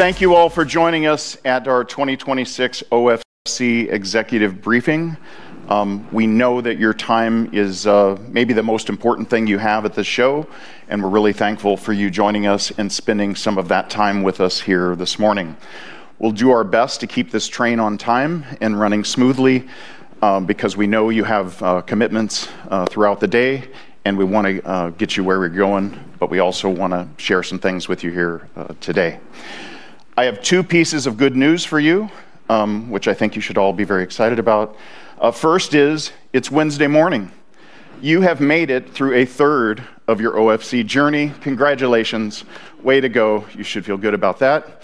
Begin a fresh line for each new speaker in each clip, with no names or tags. Thank you all for joining us at our 2026 OFC executive briefing. We know that your time is maybe the most important thing you have at this show, and we're really thankful for you joining us and spending some of that time with us here this morning. We'll do our best to keep this train on time and running smoothly, because we know you have commitments throughout the day, and we wanna get you where we're going, but we also wanna share some things with you here today. I have two pieces of good news for you, which I think you should all be very excited about. First is it's Wednesday morning. You have made it through a third of your OFC journey. Congratulations. Way to go. You should feel good about that.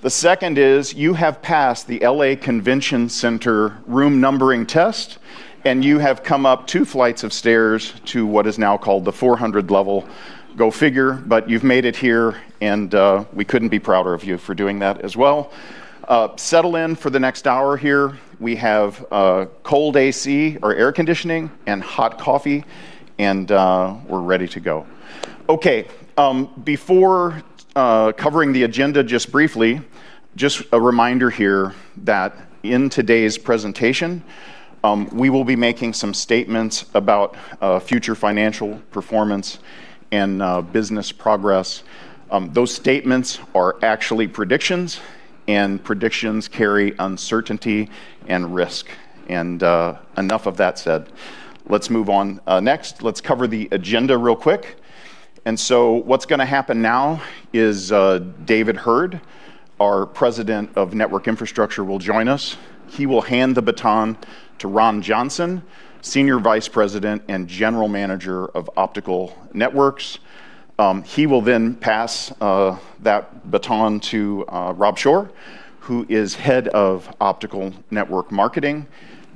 The second is you have passed the L.A. Convention Center room numbering test, and you have come up two flights of stairs to what is now called the 400 level. Go figure, but you've made it here, and we couldn't be prouder of you for doing that as well. Settle in for the next hour here. We have cold AC or air conditioning and hot coffee, and we're ready to go. Okay. Before covering the agenda just briefly, just a reminder here that in today's presentation, we will be making some statements about future financial performance and business progress. Those statements are actually predictions, and predictions carry uncertainty and risk. Enough of that said. Let's move on next. Let's cover the agenda real quick. What's gonna happen now is, David Heard, our President of Network Infrastructure, will join us. He will hand the baton to Ron Johnson, Senior Vice President and General Manager of Optical Networks. He will then pass that baton to Rob Shore, who is Head of Optical Network Marketing.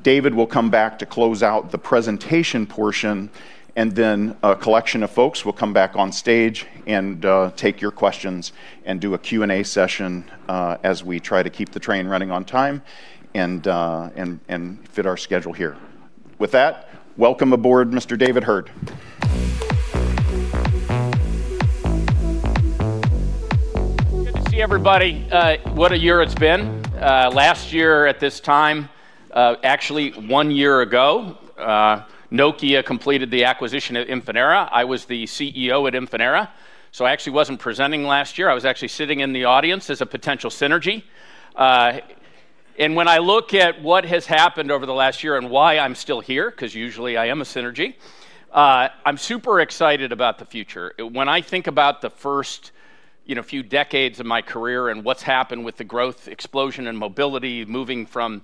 David will come back to close out the presentation portion, and then a collection of folks will come back on stage and take your questions and do a Q&A session, as we try to keep the train running on time and fit our schedule here. With that, welcome aboard Mr. David Heard.
Good to see everybody. What a year it's been. Last year at this time, actually one year ago, Nokia completed the acquisition of Infinera. I was the CEO at Infinera, so I actually wasn't presenting last year. I was actually sitting in the audience as a potential synergy. When I look at what has happened over the last year and why I'm still here, 'cause usually I am a synergy, I'm super excited about the future. When I think about the first, you know, few decades of my career and what's happened with the growth explosion in mobility, moving from,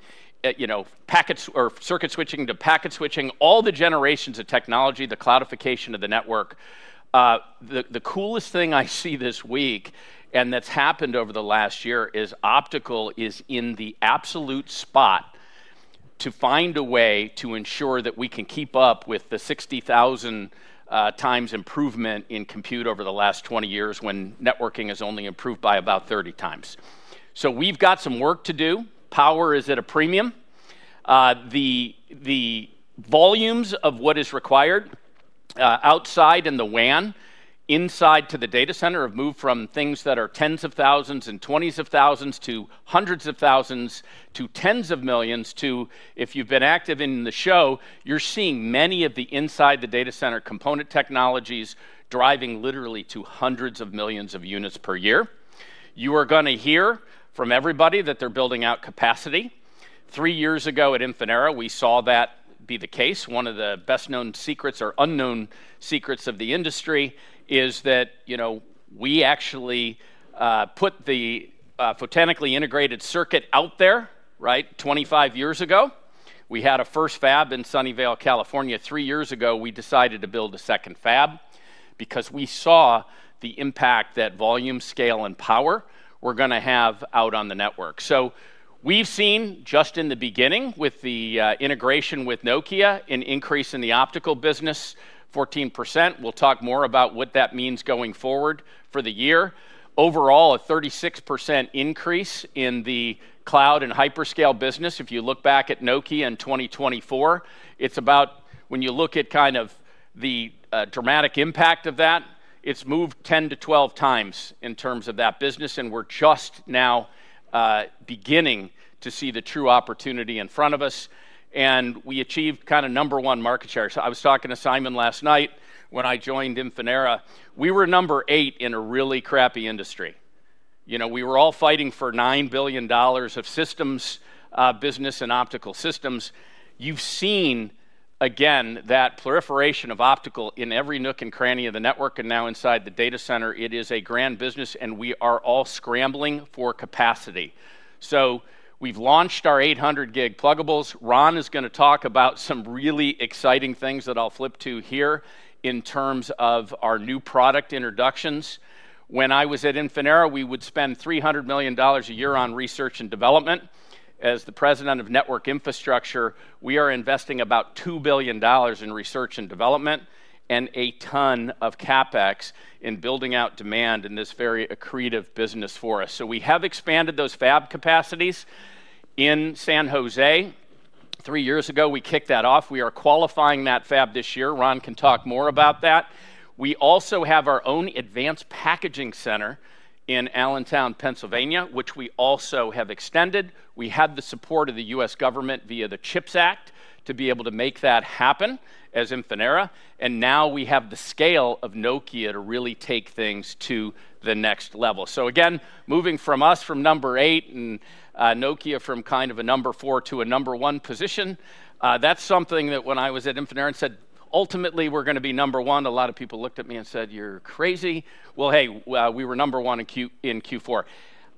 you know, packets or circuit switching to packet switching, all the generations of technology, the cloudification of the network, the coolest thing I see this week and that's happened over the last year is optical is in the absolute spot to find a way to ensure that we can keep up with the 60,000 times improvement in compute over the last 20 years when networking has only improved by about 30 times. We've got some work to do. Power is at a premium. The volumes of what is required outside in the WAN, inside to the data center have moved from things that are tens of thousands and twenties of thousands to hundreds of thousands to tens of millions to, if you've been active in the show, you're seeing many of the inside the data center component technologies driving literally to hundreds of millions of units per year. You are gonna hear from everybody that they're building out capacity. three years ago at Infinera, we saw that be the case. One of the best-known secrets or unknown secrets of the industry is that, you know, we actually put the photonically integrated circuit out there, right, 25 years ago. We had a first fab in Sunnyvale, California. Three years ago, we decided to build a second fab because we saw the impact that volume, scale, and power were gonna have out on the network. We've seen just in the beginning with the integration with Nokia an increase in the optical business 14%. We'll talk more about what that means going forward for the year. Overall, a 36% increase in the cloud and hyperscale business. If you look back at Nokia in 2024, it's about when you look at kind of the dramatic impact of that, it's moved 10-12 times in terms of that business, and we're just now beginning to see the true opportunity in front of us, and we achieved kinda number one market share. I was talking to Simon last night. When I joined Infinera, we were number eight in a really crappy industry. You know, we were all fighting for $9 billion of systems, business and optical systems. You've seen again that proliferation of optical in every nook and cranny of the network and now inside the data center. It is a grand business, and we are all scrambling for capacity. We've launched our 800 gig pluggables. Ron is gonna talk about some really exciting things that I'll flip to here in terms of our new product introductions. When I was at Infinera, we would spend $300 million a year on research and development. As the president of Network Infrastructure, we are investing about $2 billion in research and development and a ton of CapEx in building out demand in this very accretive business for us. We have expanded those fab capacities in San Jose. Three years ago, we kicked that off. We are qualifying that fab this year. Ron can talk more about that. We also have our own advanced packaging center in Allentown, Pennsylvania, which we also have extended. We had the support of the U.S. government via the CHIPS Act to be able to make that happen as Infinera, and now we have the scale of Nokia to really take things to the next level. Again, moving from us from number eight and Nokia from kind of a number four to a number one position, that's something that when I was at Infinera and said, "Ultimately, we're gonna be number one," a lot of people looked at me and said, "You're crazy." Well, hey, we were number one in Q4.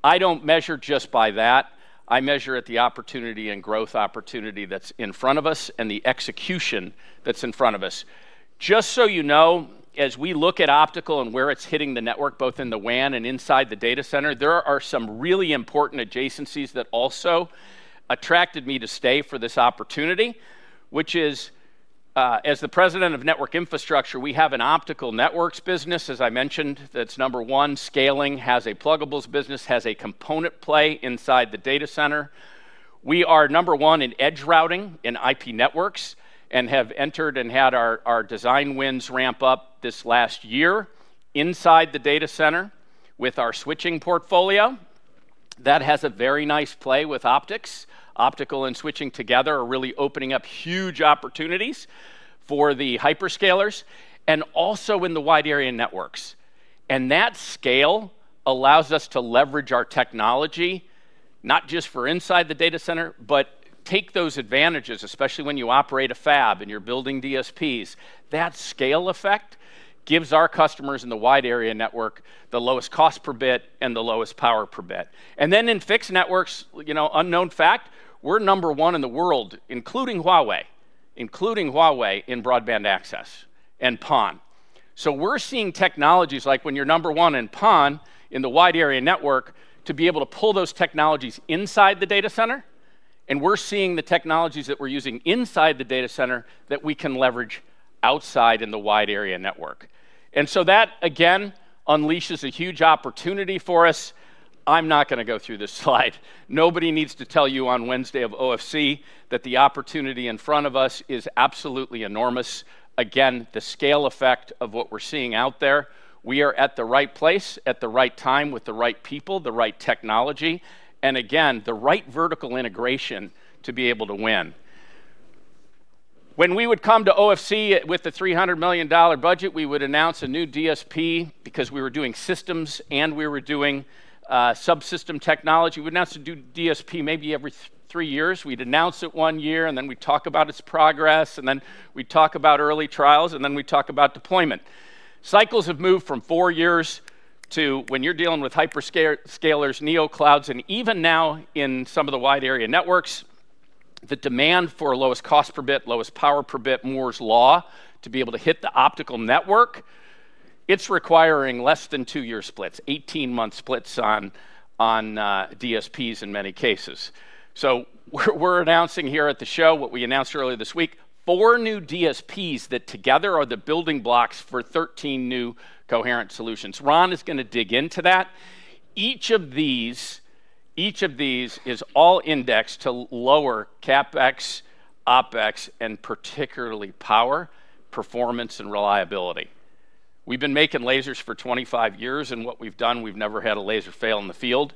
I don't measure just by that. I treasure the opportunity and growth opportunity that's in front of us and the execution that's in front of us. Just so you know, as we look at optical and where it's hitting the network, both in the WAN and inside the data center, there are some really important adjacencies that also attracted me to stay for this opportunity, which is, as the President of Network Infrastructure, we have an Optical Networks business, as I mentioned, that's number one. It has a pluggables business, has a component play inside the data center. We are number one in edge routing in IP networks and have entered and had our design wins ramp up this last year inside the data center with our switching portfolio. That has a very nice play with optics. Optical and switching together are really opening up huge opportunities for the hyperscalers and also in the wide area networks. That scale allows us to leverage our technology not just for inside the data center, but take those advantages, especially when you operate a fab and you're building DSPs. That scale effect gives our customers in the wide area network the lowest cost per bit and the lowest power per bit. In fixed networks, you know, unknown fact, we're number one in the world, including Huawei, in broadband access and PON. We're seeing technologies like when you're number one in PON in the wide area network to be able to pull those technologies inside the data center, and we're seeing the technologies that we're using inside the data center that we can leverage outside in the wide area network. That again, unleashes a huge opportunity for us. I'm not gonna go through this slide. Nobody needs to tell you on Wednesday of OFC that the opportunity in front of us is absolutely enormous. Again, the scale effect of what we're seeing out there, we are at the right place at the right time with the right people, the right technology, and again, the right vertical integration to be able to win. When we would come to OFC with a $300 million budget, we would announce a new DSP because we were doing systems and we were doing subsystem technology. We'd announce a new DSP maybe every three years. We'd announce it one year, and then we'd talk about its progress, and then we'd talk about early trials, and then we'd talk about deployment. Cycles have moved from four years to when you're dealing with hyperscalers, Neocloud, and even now in some of the wide area networks, the demand for lowest cost per bit, lowest power per bit, Moore's Law, to be able to hit the optical network, it's requiring less than two-year splits, 18-month splits on DSPs in many cases. We're announcing here at the show what we announced earlier this week, four new DSPs that together are the building blocks for 13 new coherent solutions. Ron is gonna dig into that. Each of these is all indexed to lower CapEx, OpEx, and particularly power, performance, and reliability. We've been making lasers for 25 years, and what we've done, we've never had a laser fail in the field.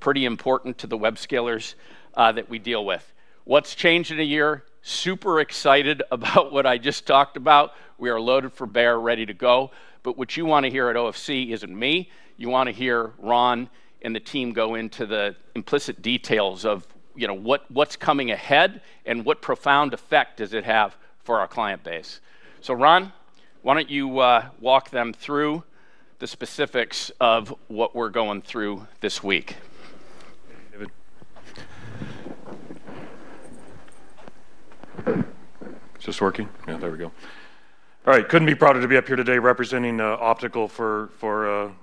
Pretty important to the web scalers that we deal with. What's changed in a year? Super excited about what I just talked about. We are loaded for bear, ready to go. What you wanna hear at OFC isn't me. You wanna hear Ron and the team go into the implicit details of, you know, what's coming ahead and what profound effect does it have for our client base. Ron, why don't you walk them through the specifics of what we're going through this week?
David. Is this working? Yeah, there we go. All right, couldn't be prouder to be up here today representing Optical for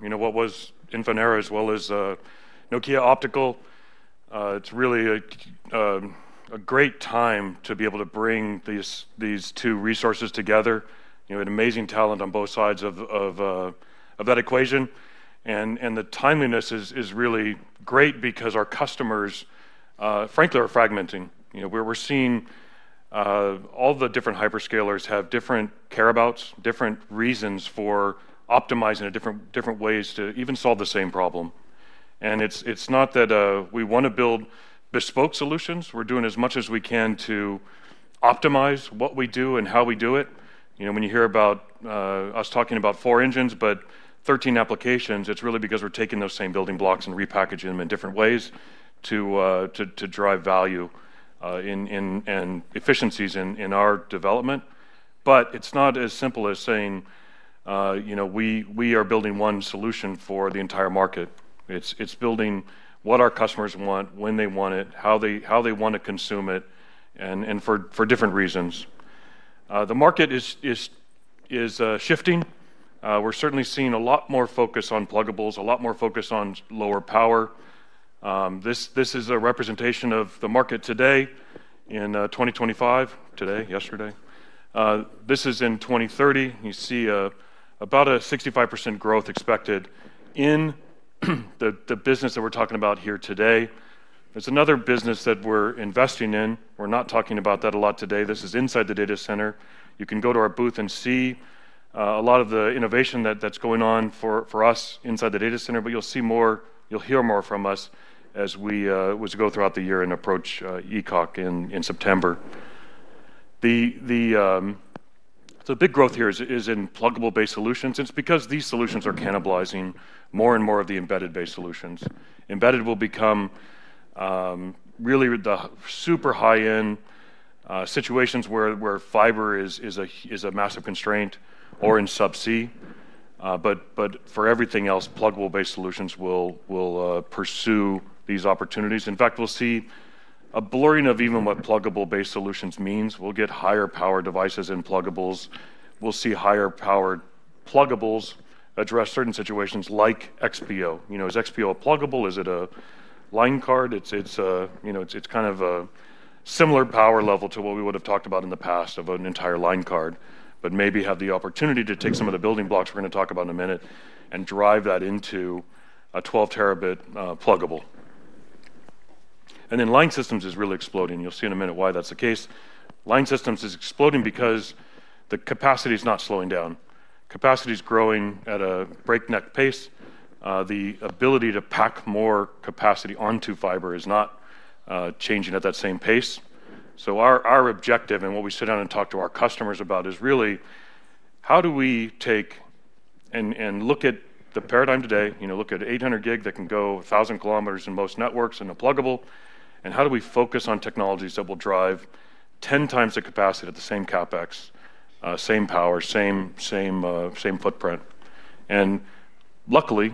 you know what was Infinera as well as Nokia Optical. It's really a great time to be able to bring these two resources together. You know, an amazing talent on both sides of that equation, and the timeliness is really great because our customers frankly are fragmenting. You know, we're seeing all the different hyperscalers have different care abouts, different reasons for optimizing different ways to even solve the same problem. It's not that we wanna build bespoke solutions. We're doing as much as we can to optimize what we do and how we do it. You know, when you hear about us talking about four engines but 13 applications, it's really because we're taking those same building blocks and repackaging them in different ways to drive value in and efficiencies in our development. But it's not as simple as saying, you know, we are building one solution for the entire market. It's building what our customers want, when they want it, how they wanna consume it, and for different reasons. The market is shifting. We're certainly seeing a lot more focus on pluggables, a lot more focus on lower power. This is a representation of the market today in 2025. Today? Yesterday. This is in 2030. You see, about a 65% growth expected. The business that we're talking about here today, there's another business that we're investing in. We're not talking about that a lot today. This is inside the data center. You can go to our booth and see a lot of the innovation that's going on for us inside the data center, but you'll see more, you'll hear more from us as we go throughout the year and approach ECOC in September. The big growth here is in pluggable-based solutions, and it's because these solutions are cannibalizing more and more of the embedded-based solutions. Embedded will become really the super high-end situations where fiber is a massive constraint or in subsea. For everything else, pluggable-based solutions will pursue these opportunities. In fact, we'll see a blurring of even what pluggable-based solutions means. We'll get higher power devices in pluggables. We'll see higher powered pluggables address certain situations like XPO. You know, is XPO a pluggable? Is it a line card? It's, you know, it's kind of a similar power level to what we would've talked about in the past of an entire line card, but maybe have the opportunity to take some of the building blocks we're gonna talk about in a minute and drive that into a 12-terabit pluggable. Line systems is really exploding. You'll see in a minute why that's the case. Line systems is exploding because the capacity is not slowing down. Capacity is growing at a breakneck pace. The ability to pack more capacity onto fiber is not changing at that same pace. Our objective, and what we sit down and talk to our customers about, is really how do we take and look at the paradigm today, you know, look at 800 gig that can go 1,000 kilometers in most networks in a pluggable, and how do we focus on technologies that will drive 10 times the capacity at the same CapEx, same power, same footprint? Luckily,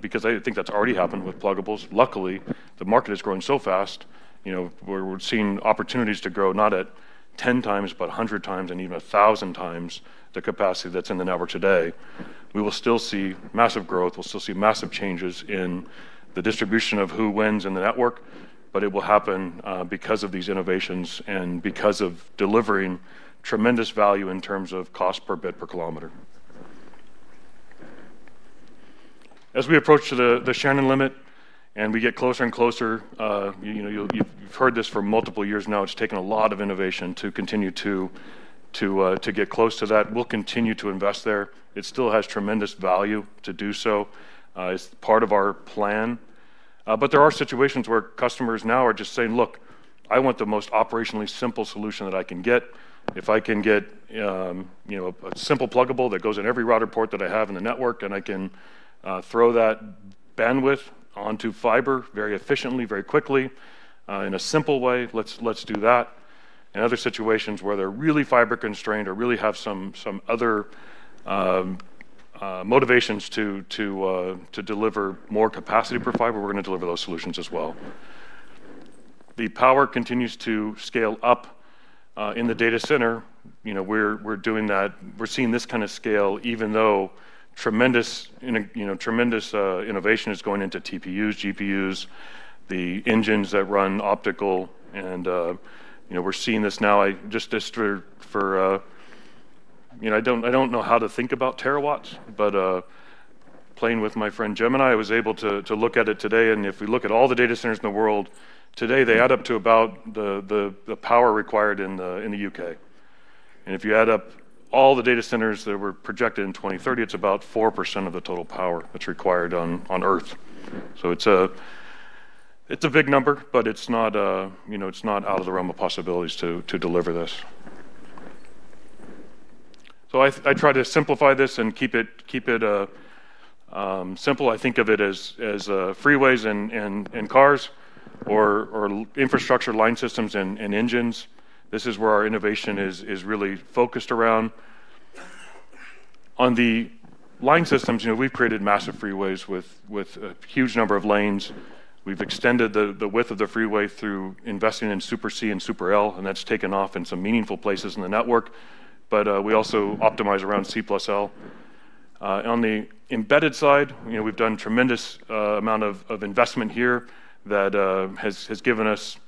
because I think that's already happened with pluggables. Luckily, the market is growing so fast, you know, we're seeing opportunities to grow not at 10 times, but 100 times and even 1,000 times the capacity that's in the network today. We will still see massive growth. We'll still see massive changes in the distribution of who wins in the network, but it will happen because of these innovations and because of delivering tremendous value in terms of cost per bit per kilometer. As we approach to the Shannon Limit, and we get closer and closer, you know, you've heard this for multiple years now. It's taken a lot of innovation to continue to get close to that. We'll continue to invest there. It still has tremendous value to do so. It's part of our plan. There are situations where customers now are just saying, "Look, I want the most operationally simple solution that I can get. If I can get, you know, a simple pluggable that goes in every router port that I have in the network, and I can throw that bandwidth onto fiber very efficiently, very quickly, in a simple way, let's do that." In other situations where they're really fiber constrained or really have some other motivations to deliver more capacity per fiber, we're gonna deliver those solutions as well. The power continues to scale up in the data center. You know, we're doing that. We're seeing this kind of scale, even though tremendous innovation is going into TPUs, GPUs, the engines that run optical, and, you know, we're seeing this now. I just for... You know, I don't know how to think about terawatts, but playing with my friend Gemini, I was able to look at it today, and if we look at all the data centers in the world today, they add up to about the power required in the U.K. If you add up all the data centers that were projected in 2030, it's about 4% of the total power that's required on Earth. It's a big number, but it's not, you know, it's not out of the realm of possibilities to deliver this. I try to simplify this and keep it simple. I think of it as freeways and cars or infrastructure line systems and engines. This is where our innovation is really focused around. On the line systems, you know, we've created massive freeways with a huge number of lanes. We've extended the width of the freeway through investing in Super C and Super L, and that's taken off in some meaningful places in the network. We also optimize around C+L. On the embedded side, you know, we've done tremendous amount of investment here that has given us,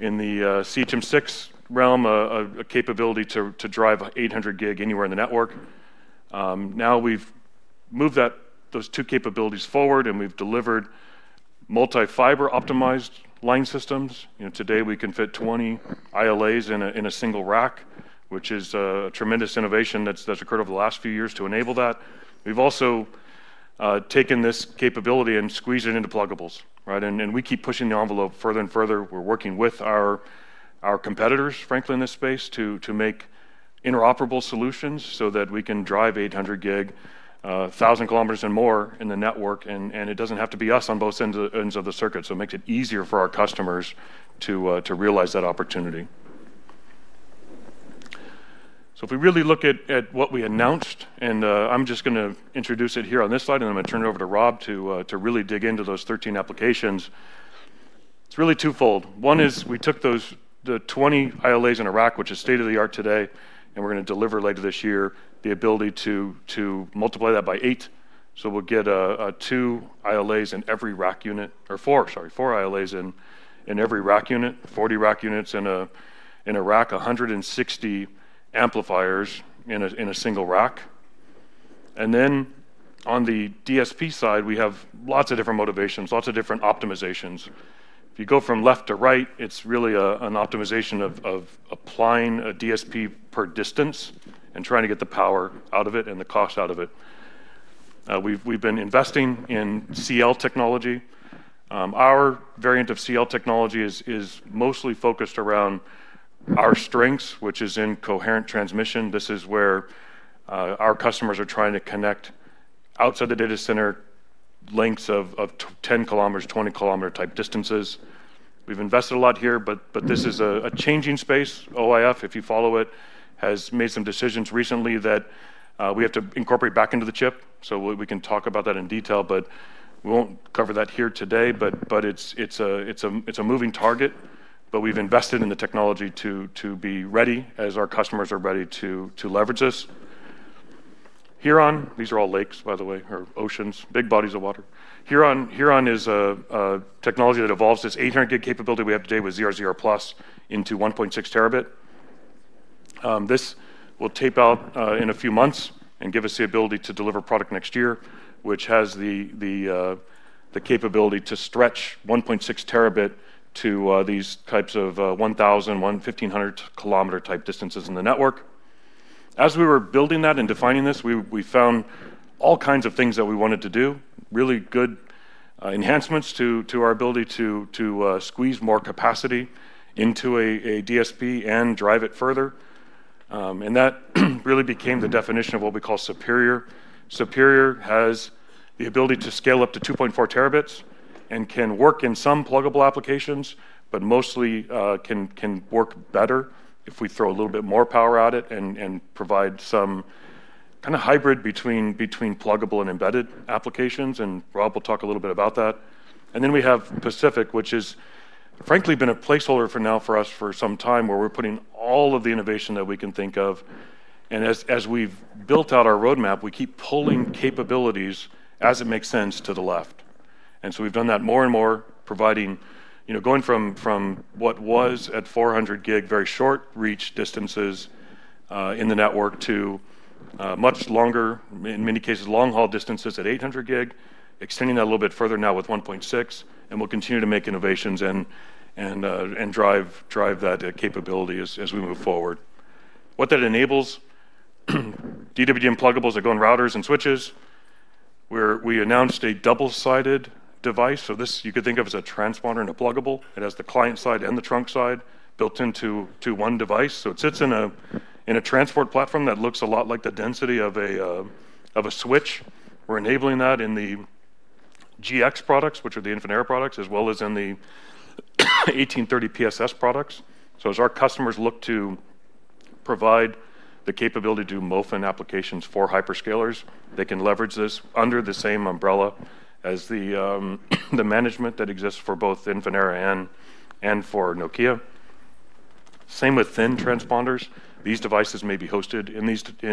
in the ICE6 realm, a capability to drive 800 gig anywhere in the network. Now we've moved those two capabilities forward, and we've delivered multi-fiber optimized line systems. You know, today we can fit 20 ILAs in a single rack, which is a tremendous innovation that's occurred over the last few years to enable that. We've also taken this capability and squeezed it into pluggables, right? We keep pushing the envelope further and further. We're working with our competitors, frankly, in this space to make interoperable solutions so that we can drive 800 gig 1,000 kilometers and more in the network, and it doesn't have to be us on both ends of the circuit. If we really look at what we announced, I'm just gonna introduce it here on this slide, and I'm gonna turn it over to Rob to really dig into those 13 applications. It's really twofold. One is we took those 20 ILAs in a rack, which is state-of-the-art today, and we're gonna deliver later this year the ability to multiply that by eight. So we'll get two ILAs in every rack unit, or four, sorry, four ILAs in every rack unit, 40 rack units in a rack, 160 amplifiers in a single rack. On the DSP side, we have lots of different motivations, lots of different optimizations. If you go from left to right, it's really an optimization of applying a DSP per distance and trying to get the power out of it and the cost out of it. We've been investing in C+L technology. Our variant of C+L technology is mostly focused around our strengths, which is in coherent transmission. This is where our customers are trying to connect outside the data center lengths of 10 km, 20-km type distances. We've invested a lot here, but this is a changing space. OIF, if you follow it, has made some decisions recently that we have to incorporate back into the chip. We can talk about that in detail, but we won't cover that here today. It's a moving target, but we've invested in the technology to be ready as our customers are ready to leverage this. Huron, these are all lakes, by the way, or oceans, big bodies of water. Huron is a technology that evolves this 800-gig capability we have today with zero zero plus into 1.6 terabit. This will tape out in a few months and give us the ability to deliver product next year, which has the capability to stretch 1.6 terabit to these types of 1,000-1,500 kilometer type distances in the network. As we were building that and defining this, we found all kinds of things that we wanted to do, really good enhancements to our ability to squeeze more capacity into a DSP and drive it further. That really became the definition of what we call Superior. Superior has the ability to scale up to 2.4 terabits and can work in some pluggable applications, but mostly can work better if we throw a little bit more power at it and provide some kinda hybrid between pluggable and embedded applications, and Rob will talk a little bit about that. Then we have Pacific, which has frankly been a placeholder for now for us for some time, where we're putting all of the innovation that we can think of. As we've built out our roadmap, we keep pulling capabilities as it makes sense to the left. We've done that more and more, providing, you know, going from what was at 400 gig, very short reach distances in the network to much longer, in many cases, long-haul distances at 800 gig, extending that a little bit further now with 1.6, and we'll continue to make innovations and drive that capability as we move forward. What that enables, DWDM and pluggables that go in routers and switches, where we announced a double-sided device. This you could think of as a transponder and a pluggable. It has the client side and the trunk side built into one device. It sits in a transport platform that looks a lot like the density of a switch. We're enabling that in the GX products, which are the Infinera products, as well as in the 1830 PSS products. As our customers look to provide the capability to do MOFAN applications for hyperscalers, they can leverage this under the same umbrella as the management that exists for both Infinera and for Nokia. Same with THIN transponders. These devices may be hosted in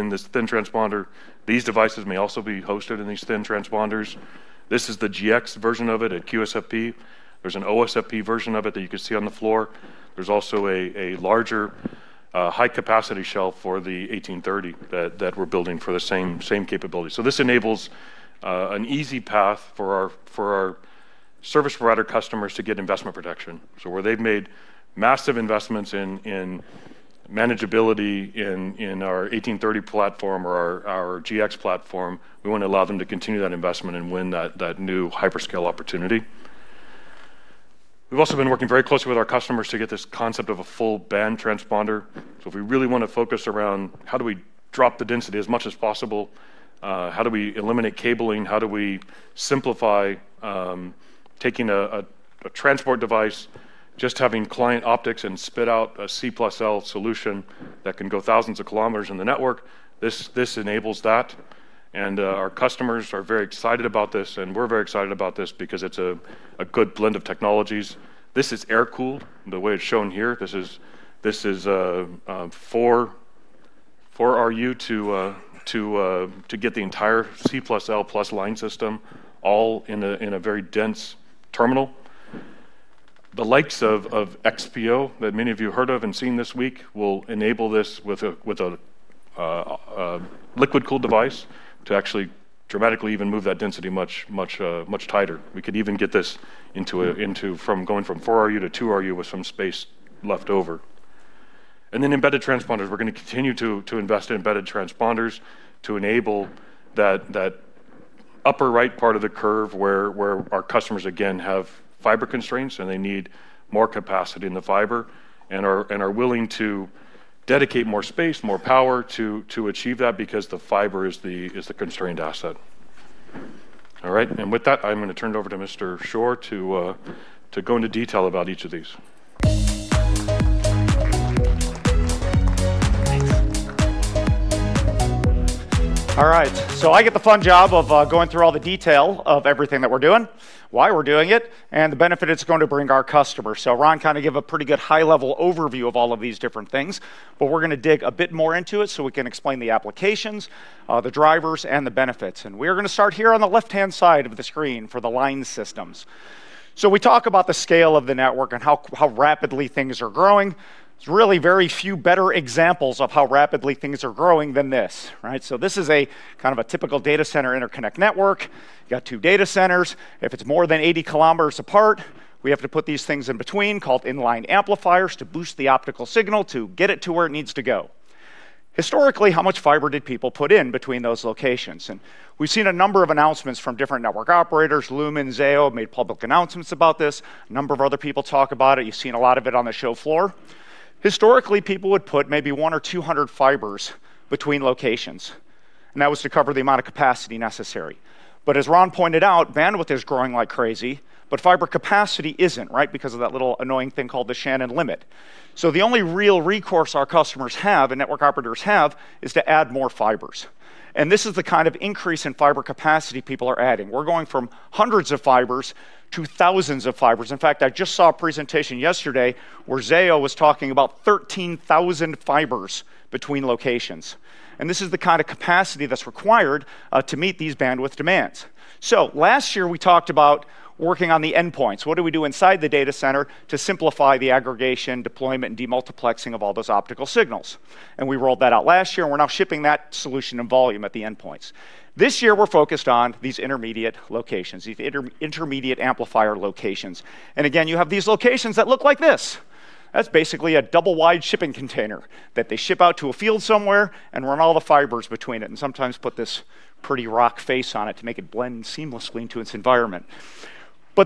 this THIN transponder. These devices may also be hosted in these THIN transponders. This is the GX version of it at QSFP. There's an OSFP version of it that you can see on the floor. There's also a larger high-capacity shelf for the 1830 that we're building for the same capability. This enables an easy path for our service provider customers to get investment protection. Where they've made massive investments in manageability in our 1830 platform or our GX platform, we wanna allow them to continue that investment and win that new hyperscale opportunity. We've also been working very closely with our customers to get this concept of a full band transponder. If we really wanna focus around how do we drop the density as much as possible, how do we eliminate cabling? How do we simplify taking a transport device, just having client optics and spit out a C+L solution that can go thousands of kilometers in the network? This enables that, and our customers are very excited about this, and we're very excited about this because it's a good blend of technologies. This is air-cooled, the way it's shown here. This is 4 RU to get the entire C plus L plus line system all in a very dense terminal. The likes of XPO that many of you heard of and seen this week will enable this with a liquid-cooled device to actually dramatically even move that density much tighter. We could even get this into from going from 4 RU to 2 RU with some space left over. Embedded transponders, we're gonna continue to invest in embedded transponders to enable that upper-right part of the curve where our customers again have fiber constraints and they need more capacity in the fiber and are willing to dedicate more space, more power to achieve that because the fiber is the constrained asset. All right. With that, I'm gonna turn it over to Mr. Shore to go into detail about each of these.
All right. I get the fun job of going through all the detail of everything that we're doing, why we're doing it, and the benefit it's going to bring our customers. Ron gave a pretty good high-level overview of all of these different things, but we're gonna dig a bit more into it, so we can explain the applications, the drivers, and the benefits. We are gonna start here on the left-hand side of the screen for the line systems. We talk about the scale of the network and how rapidly things are growing. There's really very few better examples of how rapidly things are growing than this, right? This is a kind of a typical data center interconnect network. You got two data centers. If it's more than 80 kilometers apart. We have to put these things in between called inline amplifiers to boost the optical signal to get it to where it needs to go. Historically, how much fiber did people put in between those locations? We've seen a number of announcements from different network operators. Lumen, Zayo have made public announcements about this. A number of other people talk about it. You've seen a lot of it on the show floor. Historically, people would put maybe 100 or 200 fibers between locations, and that was to cover the amount of capacity necessary. As Ron pointed out, bandwidth is growing like crazy, but fiber capacity isn't, right? Because of that little annoying thing called the Shannon Limit. The only real recourse our customers have and network operators have is to add more fibers. This is the kind of increase in fiber capacity people are adding. We're going from hundreds of fibers to thousands of fibers. In fact, I just saw a presentation yesterday where Zayo was talking about 13,000 fibers between locations. This is the kind of capacity that's required to meet these bandwidth demands. Last year, we talked about working on the endpoints. What do we do inside the data center to simplify the aggregation, deployment, and demultiplexing of all those optical signals? We rolled that out last year, and we're now shipping that solution in volume at the endpoints. This year, we're focused on these intermediate locations, these intermediate amplifier locations. Again, you have these locations that look like this. That's basically a double-wide shipping container that they ship out to a field somewhere and run all the fibers between it and sometimes put this pretty rock face on it to make it blend seamlessly into its environment.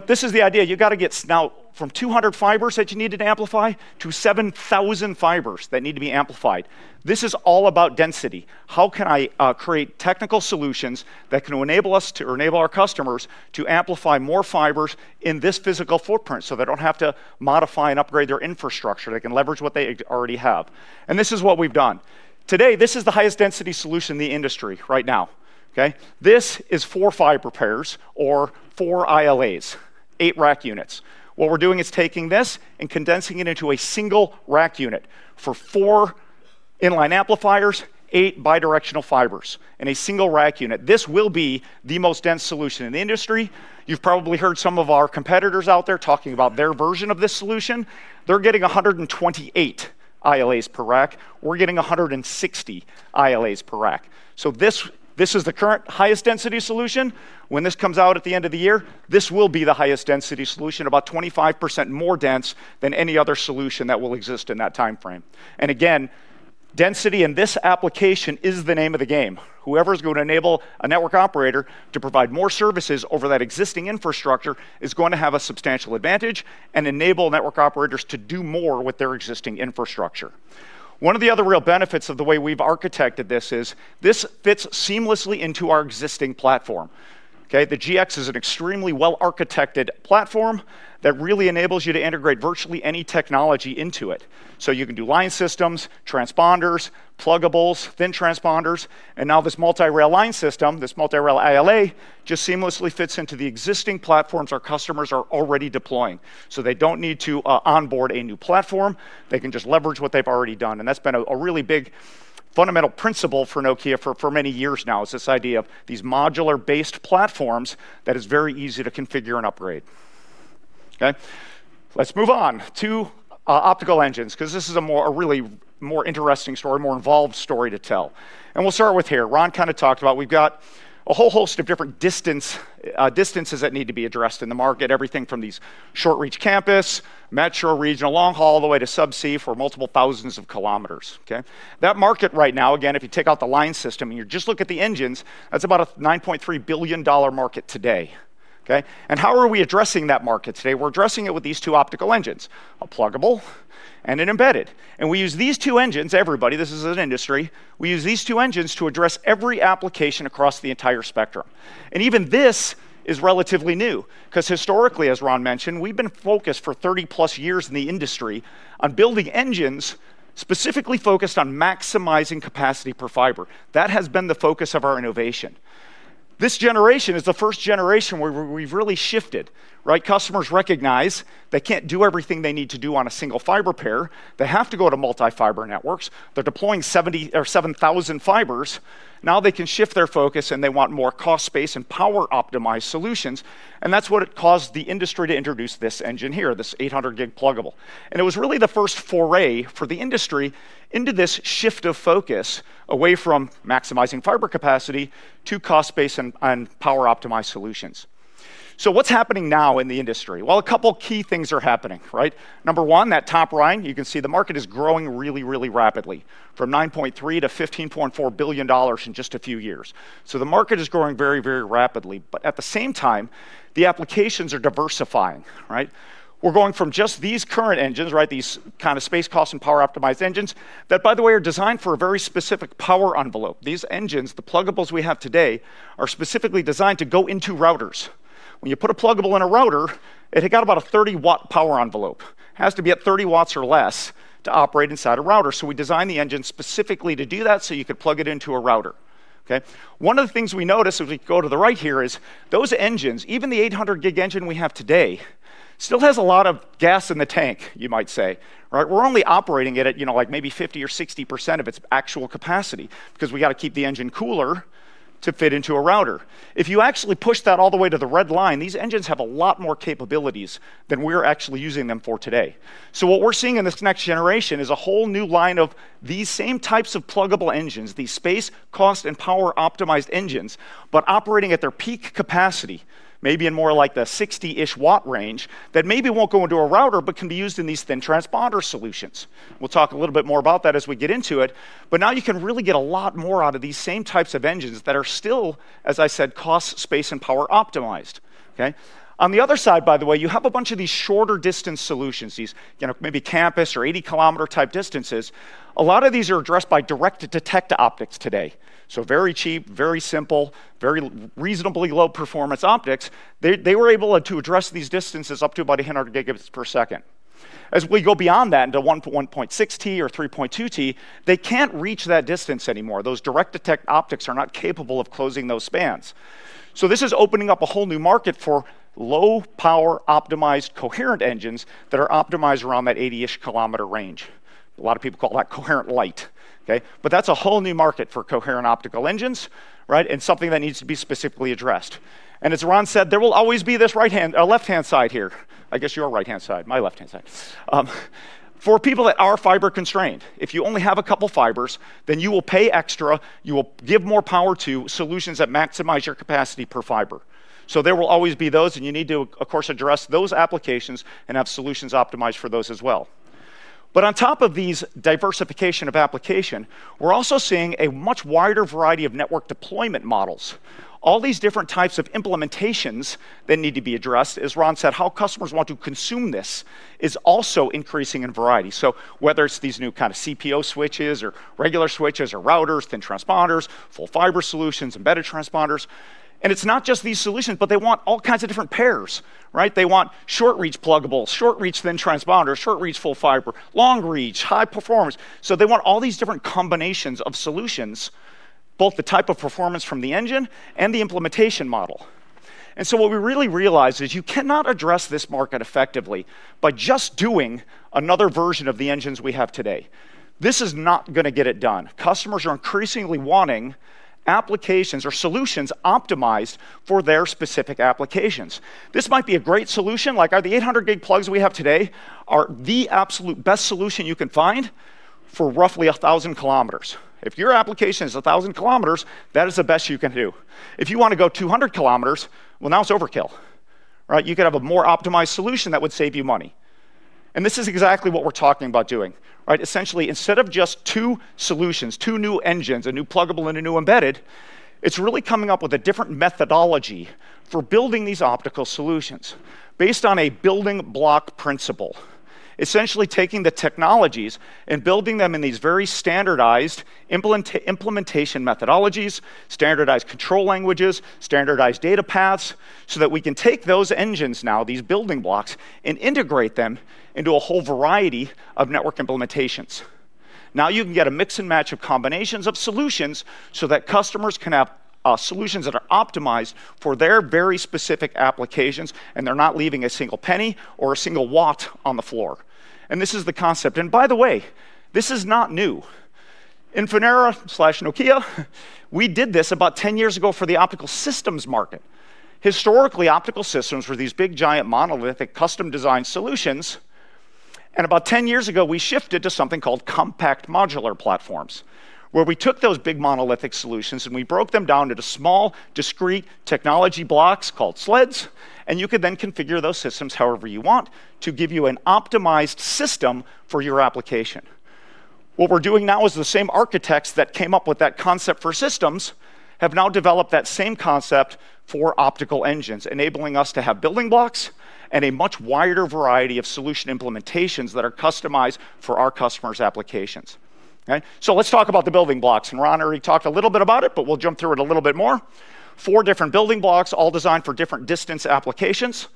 This is the idea. You got to get now from 200 fibers that you needed to amplify to 7,000 fibers that need to be amplified. This is all about density. How can I create technical solutions that can enable us to or enable our customers to amplify more fibers in this physical footprint, so they don't have to modify and upgrade their infrastructure? They can leverage what they already have. This is what we've done. Today, this is the highest density solution in the industry right now, okay? This is 4 fiber pairs or 4 ILAs, eight rack units. What we're doing is taking this and condensing it into a single rack unit for four in-line amplifiers, eight bi-directional fibers in a single rack unit. This will be the most dense solution in the industry. You've probably heard some of our competitors out there talking about their version of this solution. They're getting 128 ILAs per rack. We're getting 160 ILAs per rack. So this is the current highest density solution. When this comes out at the end of the year, this will be the highest density solution, about 25% more dense than any other solution that will exist in that time frame. Again, density in this application is the name of the game. Whoever's going to enable a network operator to provide more services over that existing infrastructure is going to have a substantial advantage and enable network operators to do more with their existing infrastructure. One of the other real benefits of the way we've architected this is this fits seamlessly into our existing platform, okay? The GX is an extremely well-architected platform that really enables you to integrate virtually any technology into it. You can do line systems, transponders, pluggables, thin transponders, and now this multi-rail line system, this multi-rail ALA just seamlessly fits into the existing platforms our customers are already deploying. They don't need to onboard a new platform. They can just leverage what they've already done. That's been a really big fundamental principle for Nokia for many years now. It's this idea of these modular-based platforms that is very easy to configure and upgrade. Okay? Let's move on to optical engines because this is a more really more interesting story, more involved story to tell. We'll start with here. Ron kind of talked about we've got a whole host of different distances that need to be addressed in the market. Everything from these short-reach campus, metro, regional, long-haul, all the way to subsea for multiple thousands of kilometers. Okay? That market right now, again, if you take out the line system and you just look at the engines, that's about a $9.3 billion market today, okay? How are we addressing that market today? We're addressing it with these two optical engines, a pluggable and an embedded. We use these two engines, everybody, this is an industry. We use these two engines to address every application across the entire spectrum. Even this is relatively new because historically, as Ron mentioned, we've been focused for 30+ years in the industry on building engines specifically focused on maximizing capacity per fiber. That has been the focus of our innovation. This generation is the first generation where we've really shifted, right? Customers recognize they can't do everything they need to do on a single fiber pair. They have to go to multi-fiber networks. They're deploying 70 or 7,000 fibers. Now they can shift their focus, and they want more cost, space, and power-optimized solutions. That's what it caused the industry to introduce this engine here, this 800 gig pluggable. It was really the first foray for the industry into this shift of focus away from maximizing fiber capacity to cost, space, and power-optimized solutions. What's happening now in the industry? Well, a couple key things are happening, right? Number one, that top line, you can see the market is growing really, really rapidly from $9.3 billion-$15.4 billion in just a few years. The market is growing very, very rapidly. But at the same time, the applications are diversifying, right? We're going from just these current engines, right, these kind of space, cost, and power-optimized engines that, by the way, are designed for a very specific power envelope. These engines, the pluggables we have today, are specifically designed to go into routers. When you put a pluggable in a router, it got about a 30-watt power envelope. It has to be at 30 watts or less to operate inside a router. We designed the engine specifically to do that so you could plug it into a router, okay? One of the things we notice if we go to the right here is those engines, even the 800 gig engine we have today, still has a lot of gas in the tank, you might say, right? We're only operating it at, you know, like maybe 50 or 60% of its actual capacity because we got to keep the engine cooler to fit into a router. If you actually push that all the way to the red line, these engines have a lot more capabilities than we're actually using them for today. What we're seeing in this next generation is a whole new line of these same types of pluggable engines, these space, cost, and power-optimized engines, but operating at their peak capacity, maybe in more like the 60-ish watt range that maybe won't go into a router but can be used in these thin transponder solutions. We'll talk a little bit more about that as we get into it, but now you can really get a lot more out of these same types of engines that are still, as I said, cost, space, and power-optimized, okay? On the other side, by the way, you have a bunch of these shorter distance solutions, these, you know, maybe campus or 80-kilometer type distances. A lot of these are addressed by direct detect optics today. Very cheap, very simple, very reasonably low-performance optics. They were able to address these distances up to about 100 gigabits per second. As we go beyond that into 1.6 T or 3.2 T, they can't reach that distance anymore. Those direct detect optics are not capable of closing those spans. This is opening up a whole new market for low-power optimized coherent engines that are optimized around that 80-ish kilometer range. A lot of people call that coherent light, okay? But that's a whole new market for coherent optical engines, right, and something that needs to be specifically addressed. As Ron said, there will always be this right-hand, left-hand side here. I guess your right-hand side, my left-hand side, for people that are fiber constrained. If you only have a couple fibers, then you will pay extra. You will give more power to solutions that maximize your capacity per fiber. There will always be those, and you need to, of course, address those applications and have solutions optimized for those as well. On top of these diversification of application, we're also seeing a much wider variety of network deployment models. All these different types of implementations that need to be addressed, as Ron said, how customers want to consume this is also increasing in variety. Whether it's these new kind of CPO switches or regular switches or routers, thin transponders, full fiber solutions, embedded transponders. It's not just these solutions, but they want all kinds of different pairs, right? They want short reach pluggables, short reach thin transponders, short reach full fiber, long reach, high performance. They want all these different combinations of solutions, both the type of performance from the engine and the implementation model. What we really realized is you cannot address this market effectively by just doing another version of the engines we have today. This is not gonna get it done. Customers are increasingly wanting applications or solutions optimized for their specific applications. This might be a great solution, like our, the 800 gig plugs we have today are the absolute best solution you can find for roughly 1,000 kilometers. If your application is 1,000 kilometers, that is the best you can do. If you wanna go 200 kilometers, well, now it's overkill. Right? You could have a more optimized solution that would save you money. This is exactly what we're talking about doing, right? Essentially, instead of just two solutions, two new engines, a new pluggable and a new embedded, it's really coming up with a different methodology for building these optical solutions based on a building block principle. Essentially taking the technologies and building them in these very standardized implementation methodologies, standardized control languages, standardized data paths, so that we can take those engines now, these building blocks, and integrate them into a whole variety of network implementations. Now, you can get a mix and match of combinations of solutions so that customers can have solutions that are optimized for their very specific applications, and they're not leaving a single penny or a single watt on the floor. This is the concept. By the way, this is not new. Infinera/Nokia, we did this about 10 years ago for the optical systems market. Historically, optical systems were these big, giant, monolithic, custom-designed solutions. About 10 years ago, we shifted to something called compact modular platforms, where we took those big monolithic solutions, and we broke them down into small, discrete technology blocks called sleds, and you could then configure those systems however you want to give you an optimized system for your application. What we're doing now is the same architects that came up with that concept for systems have now developed that same concept for optical engines, enabling us to have building blocks and a much wider variety of solution implementations that are customized for our customers' applications. Okay? Let's talk about the building blocks. Ron already talked a little bit about it, but we'll jump through it a little bit more. Four different building blocks, all designed for different distance applications.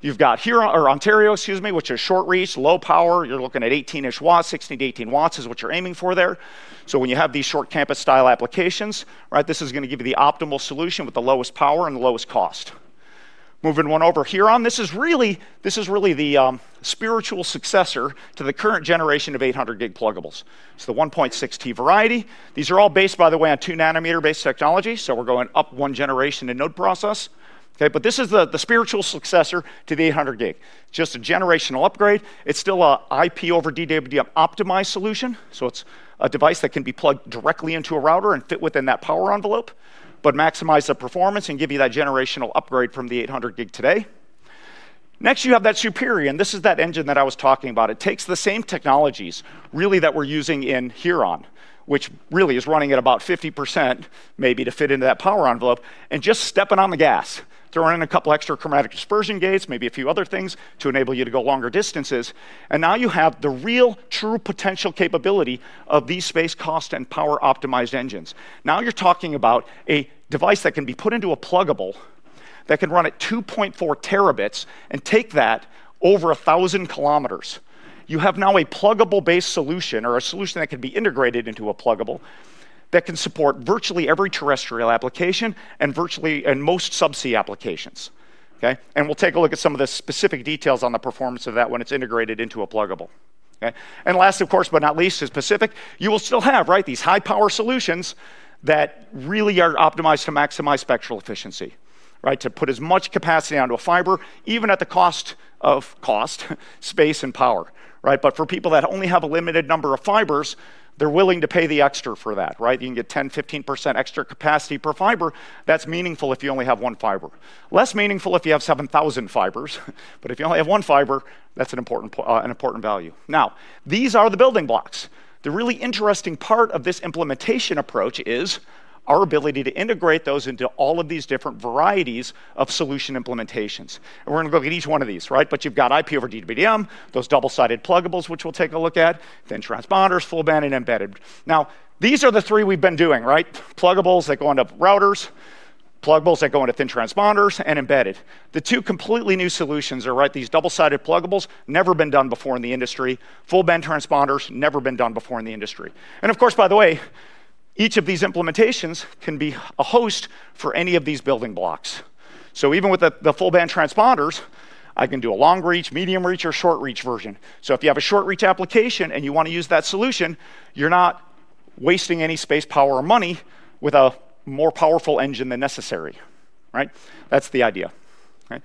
You've got here or Ontario, excuse me, which is short reach, low power. You're looking at 18-ish watts. 16-18 watts is what you're aiming for there. When you have these short campus-style applications, right? This is gonna give you the optimal solution with the lowest power and the lowest cost. Moving 1 over, Huron. This is really the spiritual successor to the current generation of 800 gig pluggables. It's the 1.6 T variety. These are all based, by the way, on 2nm-based technology, so we're going up 1 generation in node process. Okay. This is the spiritual successor to the 800 gig. Just a generational upgrade. It's still an IP over DWDM optimized solution, so it's a device that can be plugged directly into a router and fit within that power envelope, but maximize the performance and give you that generational upgrade from the 800 gig today. Next, you have that Superior, and this is that engine that I was talking about. It takes the same technologies really that we're using in Huron, which really is running at about 50% maybe to fit into that power envelope and just stepping on the gas, throwing in a couple extra chromatic dispersion stages, maybe a few other things to enable you to go longer distances. Now you have the real true potential capability of these space, cost, and power optimized engines. Now you're talking about a device that can be put into a pluggable that can run at 2.4 terabits and take that over 1,000 kilometers. You have now a pluggable-based solution or a solution that can be integrated into a pluggable that can support virtually every terrestrial application and virtually, and most subsea applications. Okay? We'll take a look at some of the specific details on the performance of that when it's integrated into a pluggable. Okay? Last, of course, but not least, is Pacific. You will still have, right, these high-power solutions that really are optimized to maximize spectral efficiency, right? To put as much capacity onto a fiber, even at the cost of cost, space, and power, right? But for people that only have a limited number of fibers, they're willing to pay the extra for that, right? You can get 10, 15% extra capacity per fiber. That's meaningful if you only have one fiber. Less meaningful if you have 7,000 fibers, but if you only have one fiber, that's an important value. Now, these are the building blocks. The really interesting part of this implementation approach is our ability to integrate those into all of these different varieties of solution implementations. We're gonna look at each one of these, right? You've got IP over DWDM, those double-sided pluggables, which we'll take a look at, then transponders, full band, and embedded. Now, these are the three we've been doing, right? Pluggables that go into routers, pluggables that go into thin transponders, and embedded. The two completely new solutions are, right, these double-sided pluggables. Never been done before in the industry. Full band transponders, never been done before in the industry. Of course by the way, each of these implementations can be a host for any of these building blocks. Even with the full band transponders, I can do a long reach, medium reach, or short reach version. If you have a short reach application and you wanna use that solution, you're not wasting any space, power, or money with a more powerful engine than necessary, right? That's the idea. Okay?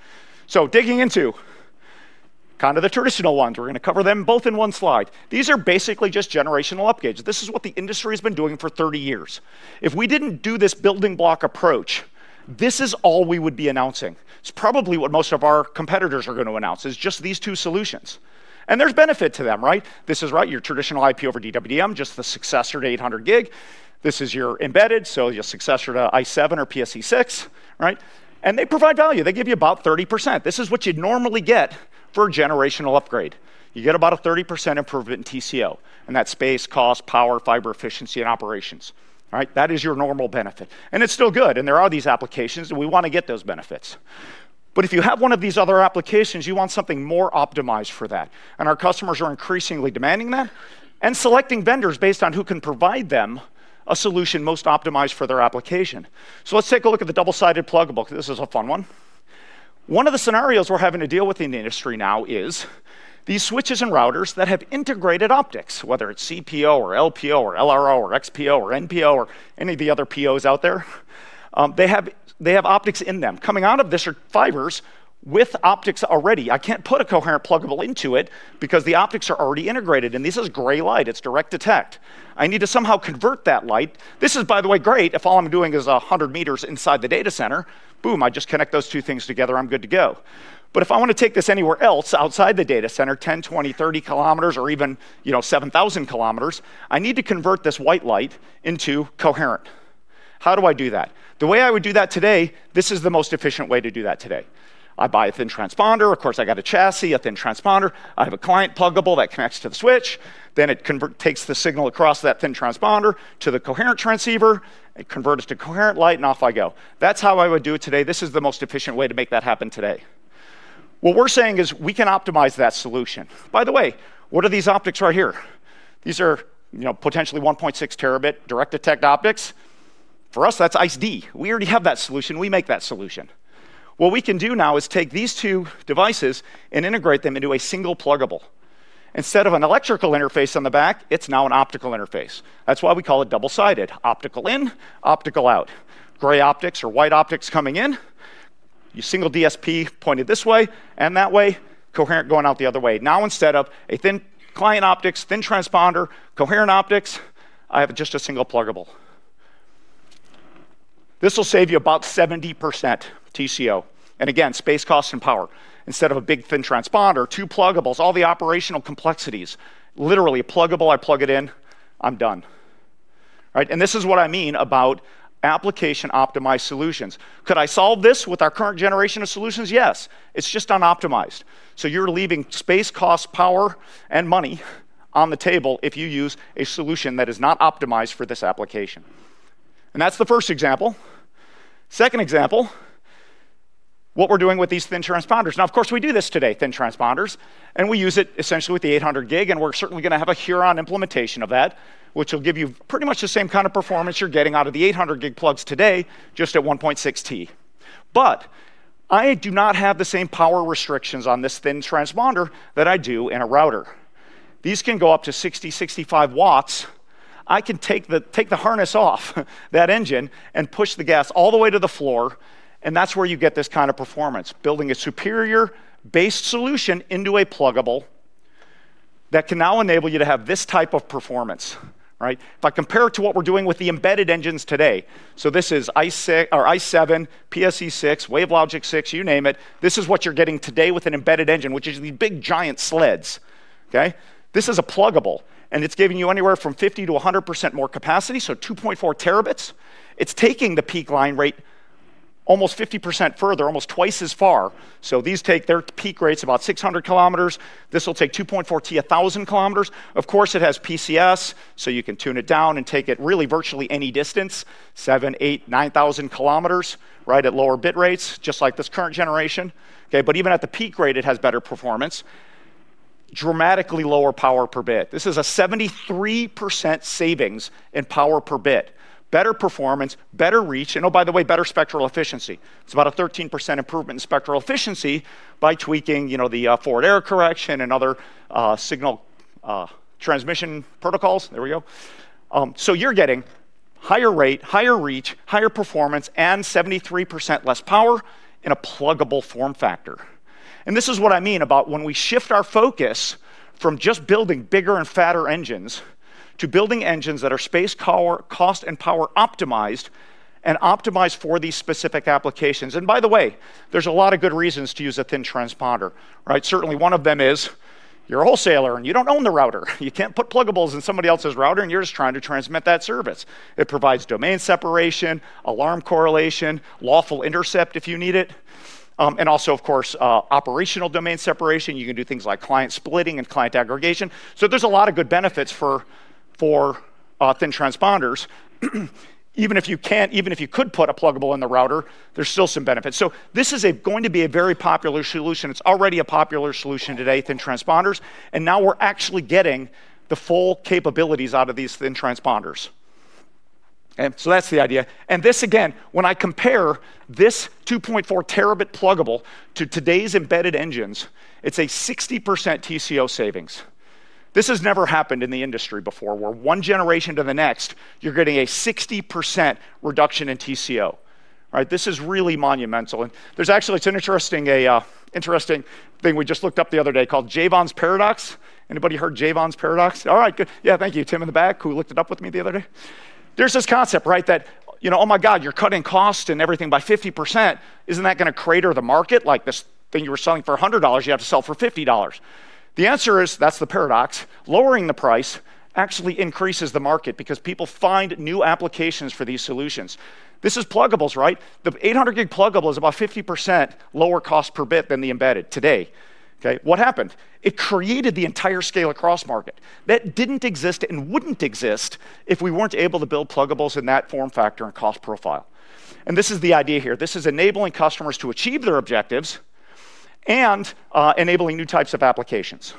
Kind of the traditional ones. We're gonna cover them both in one slide. These are basically just generational upgrades. This is what the industry has been doing for 30 years. If we didn't do this building block approach, this is all we would be announcing. It's probably what most of our competitors are gonna announce, is just these two solutions. There's benefit to them, right? This is right, your traditional IP over DWDM, just the successor to 800 gig. This is your embedded, so your successor to i7 or PSE-6, right? They provide value. They give you about 30%. This is what you'd normally get for a generational upgrade. You get about a 30% improvement in TCO in that space, cost, power, fiber efficiency, and operations. All right? That is your normal benefit. It's still good, and there are these applications, and we wanna get those benefits. If you have one of these other applications, you want something more optimized for that, and our customers are increasingly demanding that and selecting vendors based on who can provide them a solution most optimized for their application. Let's take a look at the double-sided pluggable, 'cause this is a fun one. One of the scenarios we're having to deal with in the industry now is these switches and routers that have integrated optics, whether it's CPO or LPO or LRO or XPO or NPO or any of the other POs out there, they have optics in them. Coming out of this are fibers with optics already. I can't put a coherent pluggable into it because the optics are already integrated, and this is gray light. It's direct detect. I need to somehow convert that light. This is, by the way, great if all I'm doing is 100 meters inside the data center. Boom, I just connect those two things together, I'm good to go. If I wanna take this anywhere else outside the data center, 10, 20, 30 kilometers or even, you know, 7,000 kilometers, I need to convert this white light into coherent. How do I do that? The way I would do that today, this is the most efficient way to do that today. I buy a thin transponder. Of course, I got a chassis, a thin transponder. I have a client pluggable that connects to the switch, then it takes the signal across that thin transponder to the coherent transceiver. It converts to coherent light, and off I go. That's how I would do it today. This is the most efficient way to make that happen today. What we're saying is we can optimize that solution. By the way, what are these optics right here? These are, you know, potentially 1.6 terabit direct detect optics. For us, that's ICE-D. We already have that solution. We make that solution. What we can do now is take these two devices and integrate them into a single pluggable. Instead of an electrical interface on the back, it's now an optical interface. That's why we call it double-sided, optical in, optical out. Gray optics or white optics coming in, your single DSP pointed this way and that way, coherent going out the other way. Now instead of a thin client optics, thin transponder, coherent optics, I have just a single pluggable. This will save you about 70% TCO. Again, space, cost, and power. Instead of a big thin transponder, two pluggables, all the operational complexities, literally a pluggable, I plug it in, I'm done, right? This is what I mean about application-optimized solutions. Could I solve this with our current generation of solutions? Yes. It's just unoptimized, so you're leaving space, cost, power, and money on the table if you use a solution that is not optimized for this application. That's the first example. Second example, what we're doing with these thin transponders. Now of course, we do this today, thin transponders, and we use it essentially with the 800 gig, and we're certainly gonna have a Huron implementation of that, which will give you pretty much the same kind of performance you're getting out of the 800 gig plugs today, just at 1.6 T. But I do not have the same power restrictions on this thin transponder that I do in a router. These can go up to 60, 65 watts. I can take the harness off that engine and push the gas all the way to the floor, and that's where you get this kind of performance, building a Superior base solution into a pluggable that can now enable you to have this type of performance, right? If I compare it to what we're doing with the embedded engines today, this is ICE6—or i7, PSE-6, WaveLogic 6, you name it. This is what you're getting today with an embedded engine, which is the big, giant sleds. Okay? This is a pluggable, and it's giving you anywhere from 50 to 100% more capacity, so 2.4 terabits. It's taking the peak line rate almost 50% further, almost twice as far. These take, their peak rate's about 600 kilometers. This will take 2.4 T 1,000 kilometers. Of course, it has PCS, so you can tune it down and take it really virtually any distance, 7,000, 8,000, 9,000 kilometers, right, at lower bit rates, just like this current generation. Okay. Even at the peak rate, it has better performance. Dramatically lower power per bit. This is a 73% savings in power per bit. Better performance, better reach, and oh, by the way, better spectral efficiency. It's about a 13% improvement in spectral efficiency by tweaking, you know, the forward error correction and other signal transmission protocols. There we go. You're getting higher rate, higher reach, higher performance, and 73% less power in a pluggable form factor. This is what I mean about when we shift our focus from just building bigger and fatter engines to building engines that are space, power, cost, and power optimized and optimized for these specific applications. By the way, there's a lot of good reasons to use a thin transponder, right? Certainly one of them is you're a wholesaler and you don't own the router. You can't put pluggables in somebody else's router, and you're just trying to transmit that service. It provides domain separation, alarm correlation, lawful intercept if you need it, and also of course, operational domain separation. You can do things like client splitting and client aggregation. There's a lot of good benefits for thin transponders. Even if you could put a pluggable in the router, there's still some benefits. This is going to be a very popular solution. It's already a popular solution today, thin transponders, and now we're actually getting the full capabilities out of these thin transponders. That's the idea. This again, when I compare this 2.4 terabit pluggable to today's embedded engines, it's a 60% TCO savings. This has never happened in the industry before, where one generation to the next, you're getting a 60% reduction in TCO. All right. This is really monumental. It's an interesting thing we just looked up the other day called Jevons Paradox. Anybody heard Jevons Paradox? All right, good. Yeah, thank you, Tim in the back, who looked it up with me the other day. There's this concept, right? That, you know, oh my God, you're cutting costs and everything by 50%, isn't that gonna crater the market? Like, this thing you were selling for $100, you have to sell for $50. The answer is, that's the paradox, lowering the price actually increases the market because people find new applications for these solutions. This is pluggables, right? The 800 gig pluggable is about 50% lower cost per bit than the embedded today. Okay? What happened? It created the entire scale across market that didn't exist and wouldn't exist if we weren't able to build pluggables in that form factor and cost profile. This is the idea here. This is enabling customers to achieve their objectives and enabling new types of applications.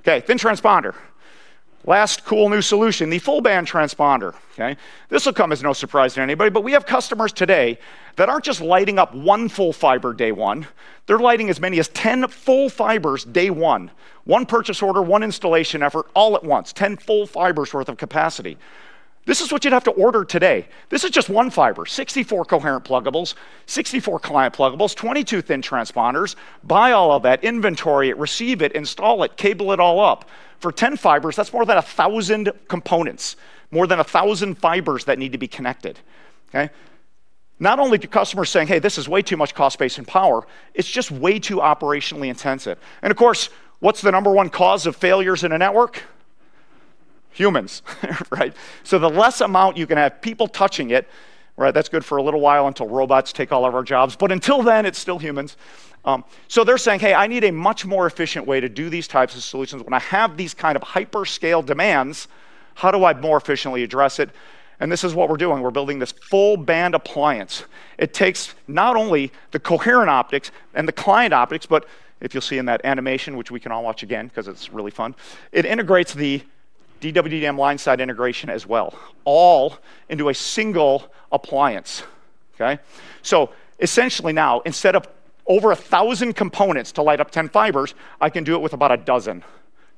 Okay. Thin transponder. Last cool new solution, the full band transponder. Okay? This will come as no surprise to anybody, but we have customers today that aren't just lighting up 1 full fiber day one, they're lighting as many as 10 full fibers day one. One purchase order, one installation effort, all at once. 10 full fibers worth of capacity. This is what you'd have to order today. This is just 1 fiber, 64 coherent pluggables, 64 client pluggables, 22 thin transponders. Buy all of that, inventory it, receive it, install it, cable it all up. For 10 fibers, that's more than 1,000 components, more than 1,000 fibers that need to be connected. Okay? Not only are customers saying, "Hey, this is way too much cost base and power," it's just way too operationally intensive. Of course, what's the number one cause of failures in a network? Humans, right? The less amount you can have people touching it, right? That's good for a little while until robots take all of our jobs, but until then, it's still humans. They're saying, "Hey, I need a much more efficient way to do these types of solutions. When I have these kind of hyperscale demands, how do I more efficiently address it?" This is what we're doing. We're building this full band appliance. It takes not only the coherent optics and the client optics, but if you'll see in that animation, which we can all watch again 'cause it's really fun, it integrates the DWDM line side integration as well, all into a single appliance. Okay? Essentially now, instead of over 1,000 components to light up 10 fibers, I can do it with about a dozen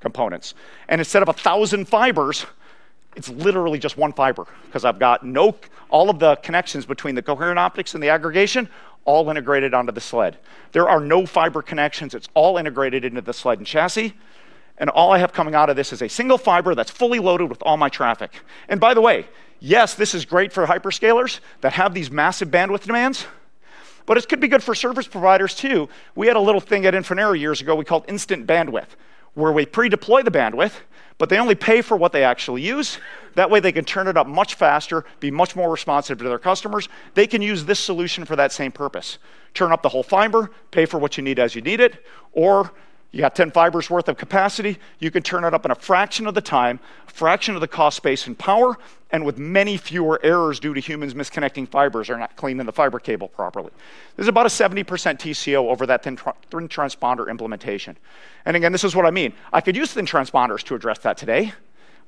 components. Instead of 1,000 fibers, it's literally just one fiber 'cause I've got all of the connections between the coherent optics and the aggregation all integrated onto the sled. There are no fiber connections. It's all integrated into the sled and chassis, and all I have coming out of this is a single fiber that's fully loaded with all my traffic. By the way, yes, this is great for hyperscalers that have these massive bandwidth demands, but it could be good for service providers too. We had a little thing at Infinera years ago we called Instant Bandwidth, where we pre-deploy the bandwidth, but they only pay for what they actually use. That way, they can turn it up much faster, be much more responsive to their customers. They can use this solution for that same purpose. Turn up the whole fiber, pay for what you need as you need it, or you got 10 fibers worth of capacity, you can turn it up in a fraction of the time, a fraction of the cost base and power, and with many fewer errors due to humans misconnecting fibers or not cleaning the fiber cable properly. There's about a 70% TCO over that thin transponder implementation. Again, this is what I mean. I could use thin transponders to address that today,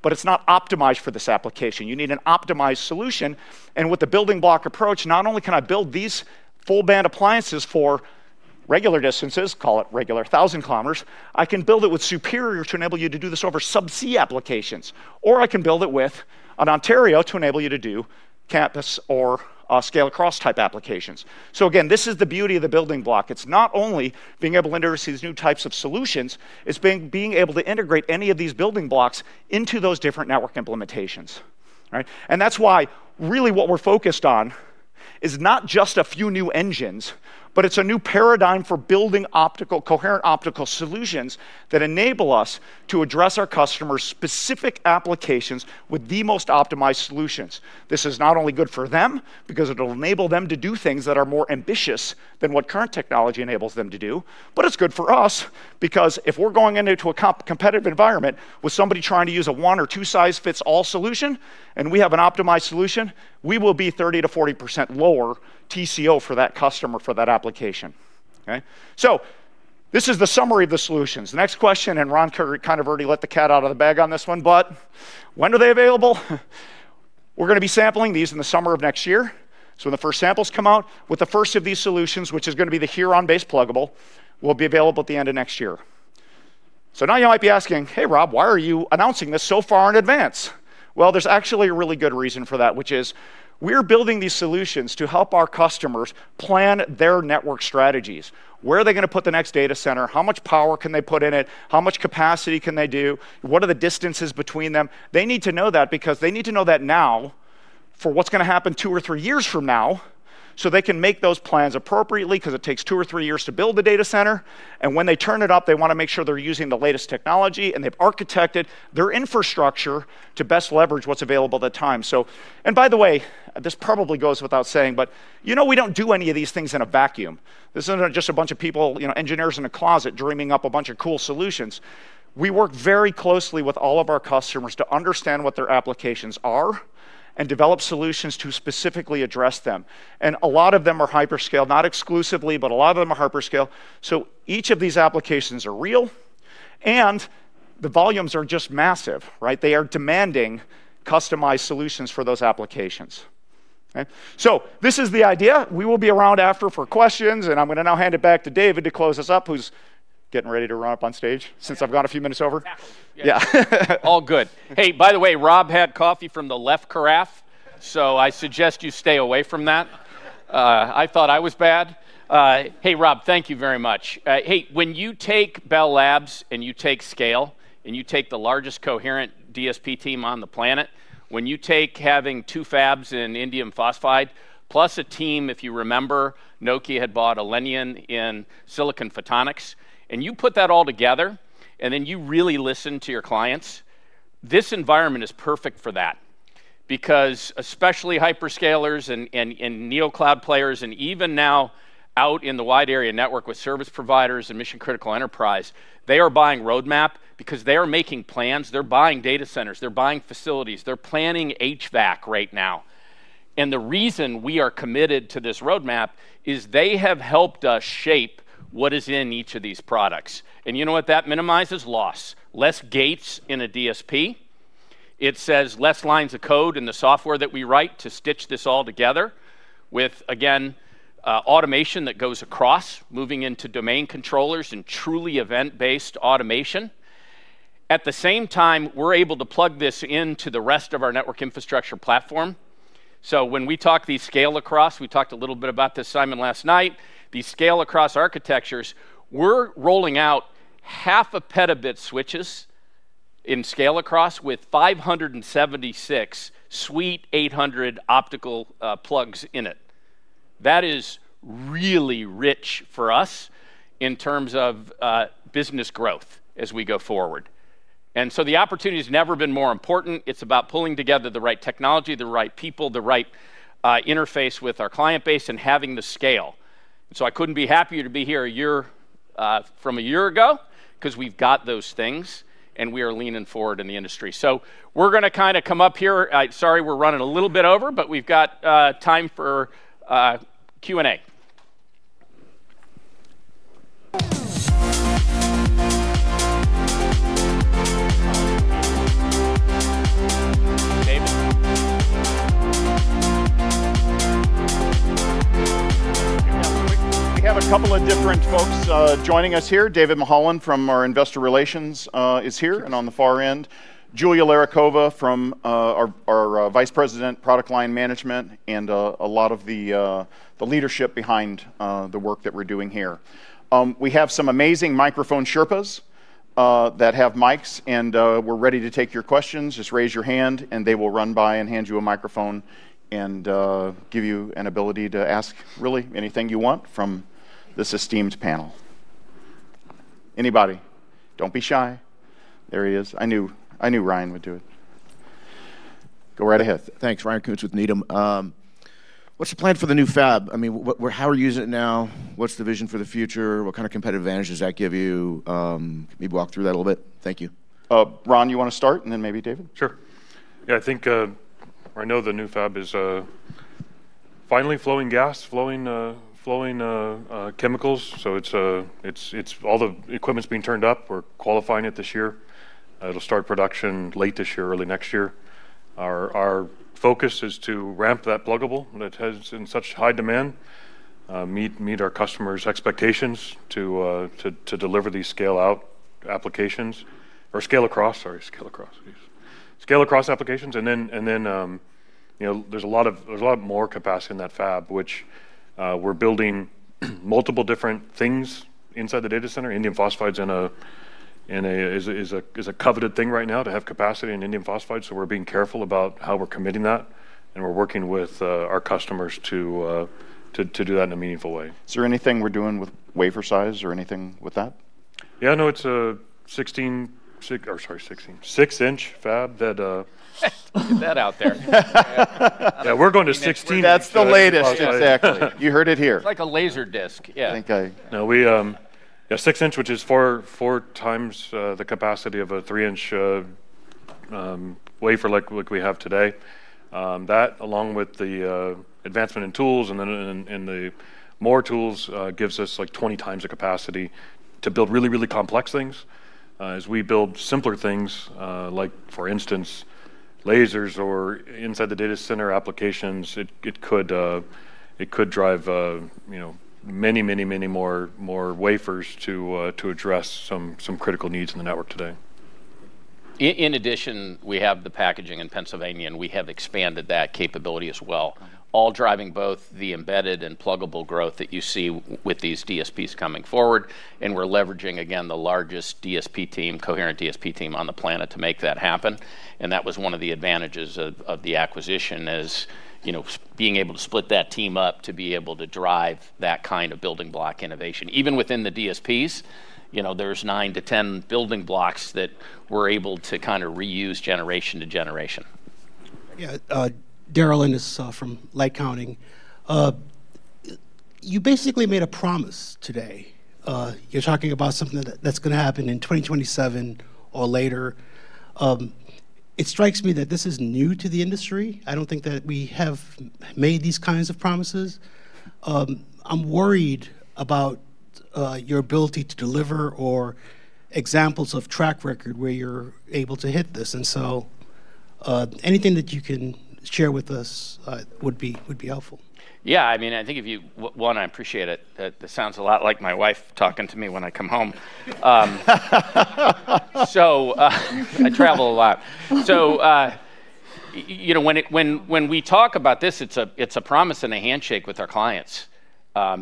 but it's not optimized for this application. You need an optimized solution, and with the building block approach, not only can I build these full band appliances for regular distances, call it regular, 1,000 kilometers, I can build it with Superior to enable you to do this over subsea applications. Or I can build it with an Ontario to enable you to do campus or scale across type applications. Again, this is the beauty of the building block. It's not only being able to introduce these new types of solutions, it's being able to integrate any of these building blocks into those different network implementations. All right. That's why really what we're focused on is not just a few new engines, but it's a new paradigm for building optical, coherent optical solutions that enable us to address our customers' specific applications with the most optimized solutions. This is not only good for them because it'll enable them to do things that are more ambitious than what current technology enables them to do, but it's good for us because if we're going into a competitive environment with somebody trying to use a one-size-fits-all solution and we have an optimized solution, we will be 30%-40% lower TCO for that customer for that application. Okay. This is the summary of the solutions. The next question, and Ron kind of already let the cat out of the bag on this one, but when are they available? We're gonna be sampling these in the summer of next year. When the first samples come out with the first of these solutions, which is gonna be the Huron base pluggable, will be available at the end of next year. Now you might be asking, "Hey, Rob, why are you announcing this so far in advance?" Well, there's actually a really good reason for that, which is we're building these solutions to help our customers plan their network strategies. Where are they gonna put the next data center? How much power can they put in it? How much capacity can they do? What are the distances between them? They need to know that because they need to know that now for what's gonna happen two or three years from now, so they can make those plans appropriately, 'cause it takes two or three years to build the data center, and when they turn it up, they wanna make sure they're using the latest technology and they've architected their infrastructure to best leverage what's available at the time. By the way, this probably goes without saying, but you know we don't do any of these things in a vacuum. This isn't just a bunch of people, you know, engineers in a closet dreaming up a bunch of cool solutions. We work very closely with all of our customers to understand what their applications are and develop solutions to specifically address them. A lot of them are hyperscale, not exclusively, but a lot of them are hyperscale. Each of these applications are real, and The volumes are just massive, right? They are demanding customized solutions for those applications. Okay? This is the idea. We will be around after for questions, and I'm gonna now hand it back to David to close us up, who's getting ready to run up on stage since I've gone a few minutes over.
Exactly.
Yeah.
All good. Hey, by the way, Rob had coffee from the left carafe, so I suggest you stay away from that. I thought I was bad. Hey Rob, thank you very much. Hey when you take Bell Labs, and you take scale, and you take the largest coherent DSP team on the planet, when you take having two fabs in indium phosphide, plus a team, if you remember, Nokia had bought Elenion in silicon photonics, and you put that all together, and then you really listen to your clients, this environment is perfect for that because especially hyperscalers and Neocloud players and even now out in the wide area network with service providers and mission critical enterprise, they are buying roadmap because they are making plans. They're buying data centers. They're buying facilities. They're planning HVAC right now. The reason we are committed to this roadmap is they have helped us shape what is in each of these products. You know what that minimizes? Loss. Less gates in a DSP. It saves less lines of code in the software that we write to stitch this all together with, again, automation that goes across, moving into domain controllers and truly event-based automation. At the same time, we're able to plug this into the rest of our network infrastructure platform. When we talk about the scale across, we talked a little bit about this, Simon, last night, the scale across architectures, we're rolling out half a petabit switches in scale across with 576 suite eight hundred optical plugs in it. That is really rich for us in terms of business growth as we go forward. The opportunity's never been more important. It's about pulling together the right technology, the right people, the right interface with our client base and having the scale. I couldn't be happier to be here a year from a year ago 'cause we've got those things, and we are leaning forward in the industry. We're gonna kinda come up here. Sorry we're running a little bit over, but we've got time for Q&A.
David. We have a couple of different folks joining us here. David Mulholland from our Investor Relations is here. On the far end, Julia Larikova, our Vice President, Product Line Management, and a lot of the leadership behind the work that we're doing here. We have some amazing microphone sherpas that have mics, and we're ready to take your questions. Just raise your hand, and they will run by and hand you a microphone and give you an ability to ask really anything you want from this esteemed panel. Anybody? Don't be shy. There he is. I knew Ryan would do it. Go right ahead.
Thanks. Ryan Koontz with Needham. What's the plan for the new fab? I mean, what? How are you using it now? What's the vision for the future? What kind of competitive advantage does that give you? Can you walk through that a little bit? Thank you.
Ron you wanna start, and then maybe David?
Sure. Yeah, I think or I know the new fab is finally flowing gas, flowing chemicals. So it's all the equipment's being turned up. We're qualifying it this year. It'll start production late this year, early next year. Our focus is to ramp that pluggable that's been in such high demand, meet our customers' expectations to deliver these scale across applications and then, you know, there's a lot more capacity in that fab, which we're building multiple different things inside the data center. Indium phosphide is a coveted thing right now to have capacity in indium phosphide, so we're being careful about how we're committing that, and we're working with our customers to do that in a meaningful way.
Is there anything we're doing with wafer size or anything with that?
It's a 16, 6-inch fab that
Get that out there.
Yeah, we're going to 16.
That's the latest, exactly.
You heard it here.
It's like a laser disk. Yeah.
I think.
Yeah, 6-inch, which is four times the capacity of a 3-inch wafer like we have today. That along with the advancement in tools and then in the more tools gives us like 20 times the capacity to build really complex things. As we build simpler things, like for instance, lasers or inside the data center applications, it could drive, you know, many more wafers to address some critical needs in the network today.
In addition, we have the packaging in Pennsylvania, and we have expanded that capability as well, all driving both the embedded and pluggable growth that you see with these DSPs coming forward, and we're leveraging, again, the largest DSP team, coherent DSP team on the planet to make that happen. That was one of the advantages of the acquisition is, you know, being able to split that team up to be able to drive that kind of building block innovation. Even within the DSPs, you know, there's 9-10 building blocks that we're able to kinda reuse generation to generation.
Yeah, Daryl Inniss from LightCounting. You basically made a promise today. You're talking about something that's gonna happen in 2027 or later. It strikes me that this is new to the industry. I don't think that we have made these kinds of promises. I'm worried about your ability to deliver or examples of track record where you're able to hit this. Anything that you can share with us would be helpful.
One, I appreciate it. That sounds a lot like my wife talking to me when I come home. I travel a lot. You know, when we talk about this, it's a promise and a handshake with our clients,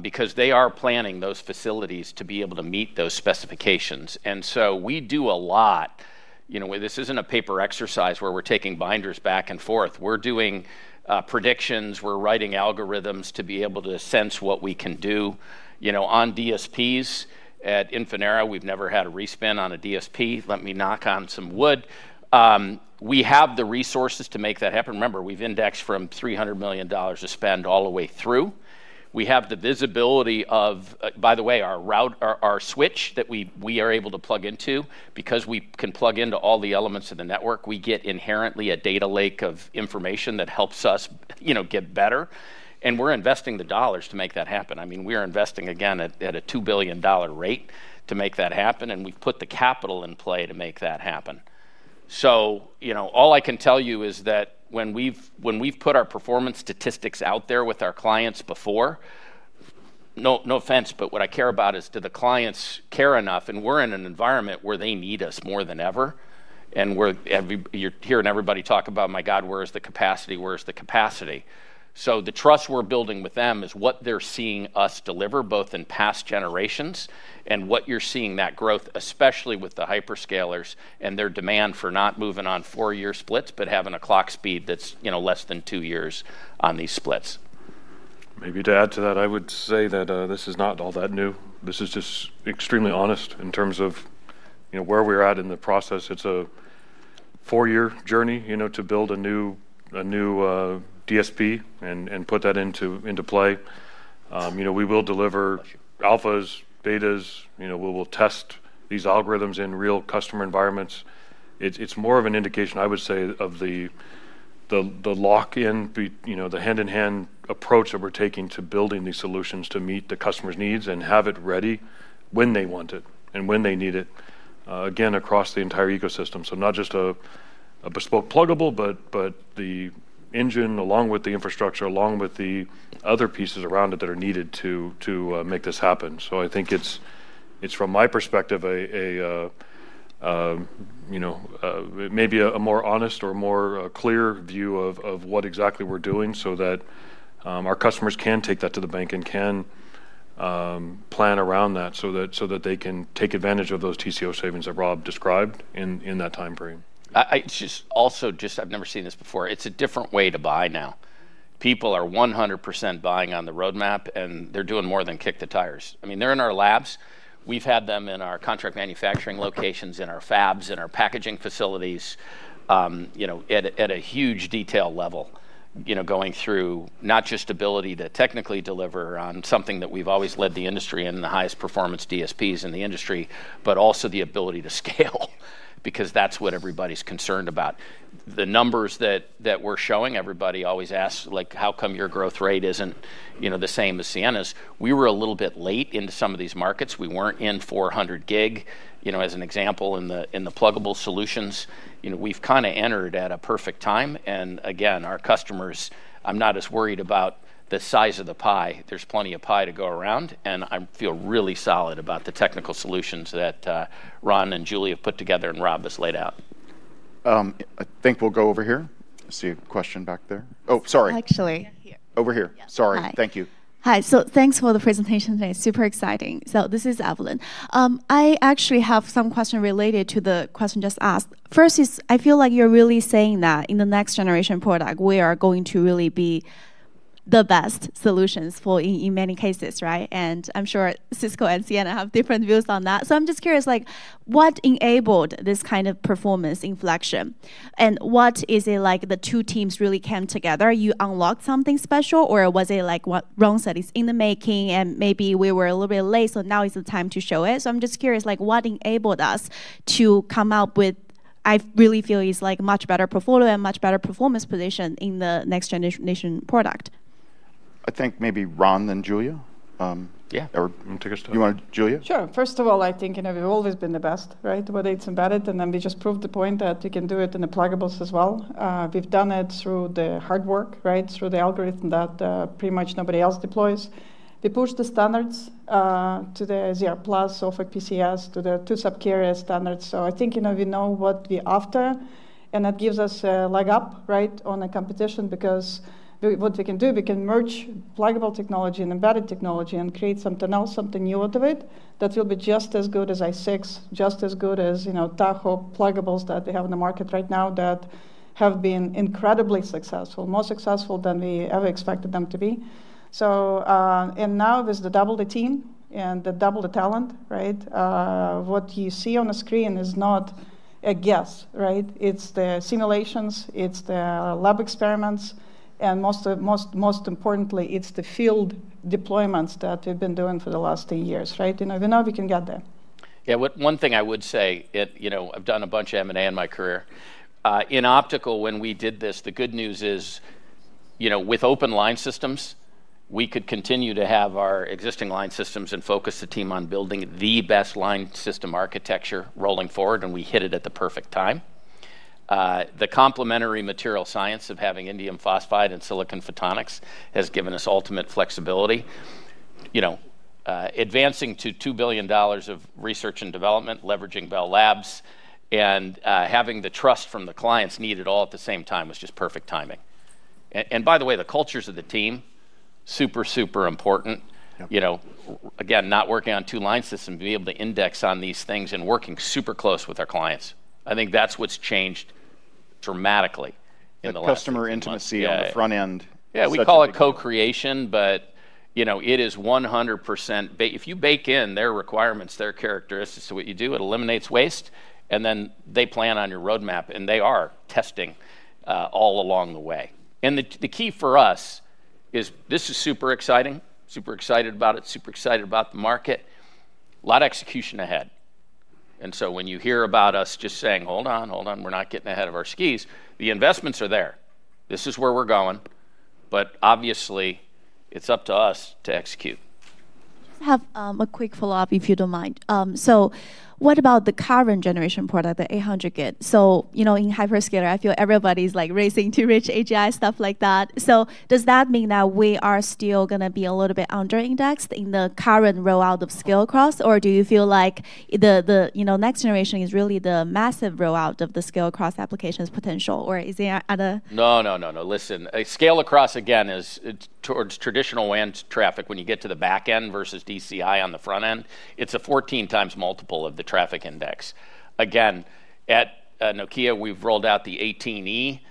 because they are planning those facilities to be able to meet those specifications. We do a lot. You know, this isn't a paper exercise where we're taking binders back and forth. We're doing predictions, we're writing algorithms to be able to sense what we can do. You know, on DSPs at Infinera, we've never had a re-spin on a DSP. Let me knock on some wood. We have the resources to make that happen. Remember, we've indexed from $300 million to spend all the way through. We have the visibility of, by the way, our switch that we are able to plug into because we can plug into all the elements of the network. We get inherently a data lake of information that helps us, you know, get better, and we're investing the dollars to make that happen. I mean, we are investing again at a $2 billion rate to make that happen, and we've put the capital in play to make that happen. You know, all I can tell you is that when we've put our performance statistics out there with our clients before, no offense, but what I care about is do the clients care enough? We're in an environment where they need us more than ever, and you're hearing everybody talk about, "My God, where is the capacity? Where is the capacity?" The trust we're building with them is what they're seeing us deliver both in past generations and what you're seeing that growth, especially with the hyperscalers and their demand for not moving on four-year splits, but having a clock speed that's, you know, less than two years on these splits.
Maybe to add to that, I would say that this is not all that new. This is just extremely honest in terms of, you know, where we're at in the process. It's a four-year journey, you know, to build a new DSP and put that into play. You know, we will deliver alphas, betas. You know, we will test these algorithms in real customer environments. It's more of an indication, I would say, of the lock-in you know, the hand-in-hand approach that we're taking to building these solutions to meet the customer's needs and have it ready when they want it and when they need it, again, across the entire ecosystem. Not just a bespoke pluggable, but the engine along with the infrastructure, along with the other pieces around it that are needed to make this happen. I think it's from my perspective maybe a more honest or more clear view of what exactly we're doing so that our customers can take that to the bank and can plan around that so that they can take advantage of those TCO savings that Rob described in that timeframe.
It's just also just I've never seen this before. It's a different way to buy now. People are 100% buying on the roadmap, and they're doing more than kick the tires. I mean, they're in our labs. We've had them in our contract manufacturing locations, in our fabs, in our packaging facilities, you know, at a huge detail level, you know, going through not just ability to technically deliver on something that we've always led the industry in, the highest performance DSPs in the industry, but also the ability to scale because that's what everybody's concerned about. The numbers that we're showing, everybody always asks like, "How come your growth rate isn't, you know, the same as Ciena's?" We were a little bit late into some of these markets. We weren't in 400 gig, you know, as an example, in the pluggable solutions. You know, we've kinda entered at a perfect time. Again, our customers, I'm not as worried about the size of the pie. There's plenty of pie to go around, and I feel really solid about the technical solutions that Ron and Julia have put together and Rob has laid out.
I think we'll go over here. I see a question back there. Oh, sorry.
Actually.
Over here.
Yeah.
Sorry.
Hi.
Thank you.
Hi. Thanks for the presentation today. Super exciting. This is Evelyn. I actually have some question related to the question just asked. First is I feel like you're really saying that in the next generation product, we are going to really be the best solutions for in many cases, right? I'm sure Cisco and Ciena have different views on that. I'm just curious, like, what enabled this kind of performance inflection, and what is it like the two teams really came together? You unlocked something special, or was it like what Ron said, it's in the making, and maybe we were a little bit late, so now is the time to show it? I'm just curious, like, what enabled us to come up with I really feel is like much better portfolio and much better performance position in the next generation product?
I think maybe Ron, then Julia.
Yeah.
Take your time.
You want Julia?
Sure. First of all, I think, you know, we've always been the best, right? Whether it's embedded, and then we just proved the point that we can do it in the pluggables as well. We've done it through the hard work, right? Through the algorithm that, pretty much nobody else deploys. We pushed the standards to the ZR+ of a PCS to the two subcarrier standards. I think you know, we know what we're after, and that gives us a leg up, right, on the competition because we can merge pluggable technology and embedded technology and create something else, something new out of it that will be just as good as I6, just as good as, you know, Tahoe pluggables that we have in the market right now that have been incredibly successful, more successful than we ever expected them to be. Now with the double the team and the double the talent, right? What you see on the screen is not a guess, right? It's the simulations, it's the lab experiments, and most importantly, it's the field deployments that we've been doing for the last three years, right? You know, we know we can get there.
Yeah. One thing I would say. You know, I've done a bunch of M&A in my career. In optical, when we did this, the good news is, you know, with open line systems, we could continue to have our existing line systems and focus the team on building the best line system architecture rolling forward, and we hit it at the perfect time. The complementary material science of having indium phosphide and silicon photonics has given us ultimate flexibility. You know, advancing to $2 billion of research and development, leveraging Bell Labs, and having the trust from the clients needed all at the same time was just perfect timing. By the way, the cultures of the team, super important.
Yeah.
You know again, not working on two line systems, to be able to index on these things and working super close with our clients, I think that's what's changed dramatically in the last few months.
The customer intimacy.
Yeah
on the front end.
Yeah. We call it co-creation, but, you know, it is 100% if you bake in their requirements, their characteristics to what you do, it eliminates waste, and then they plan on your roadmap, and they are testing all along the way. The key for us is this is super exciting. Super excited about it. Super excited about the market. Lot of execution ahead. When you hear about us just saying, "Hold on, hold on, we're not getting ahead of our skis," the investments are there. This is where we're going, but obviously it's up to us to execute.
I have a quick follow-up, if you don't mind. What about the current generation product, the 800 gig? You know, in hyperscaler, I feel everybody's like racing to reach AGI, stuff like that. Does that mean that we are still gonna be a little bit under indexed in the current rollout of scale-across? Or do you feel like the you know, next generation is really the massive rollout of the scale-across applications potential? Or is it at a
No. Listen. Scale across, again, is towards traditional WAN traffic when you get to the back end versus DCI on the front end. It's a 14 times multiple of the traffic index. Again, at Nokia, we've rolled out the 18E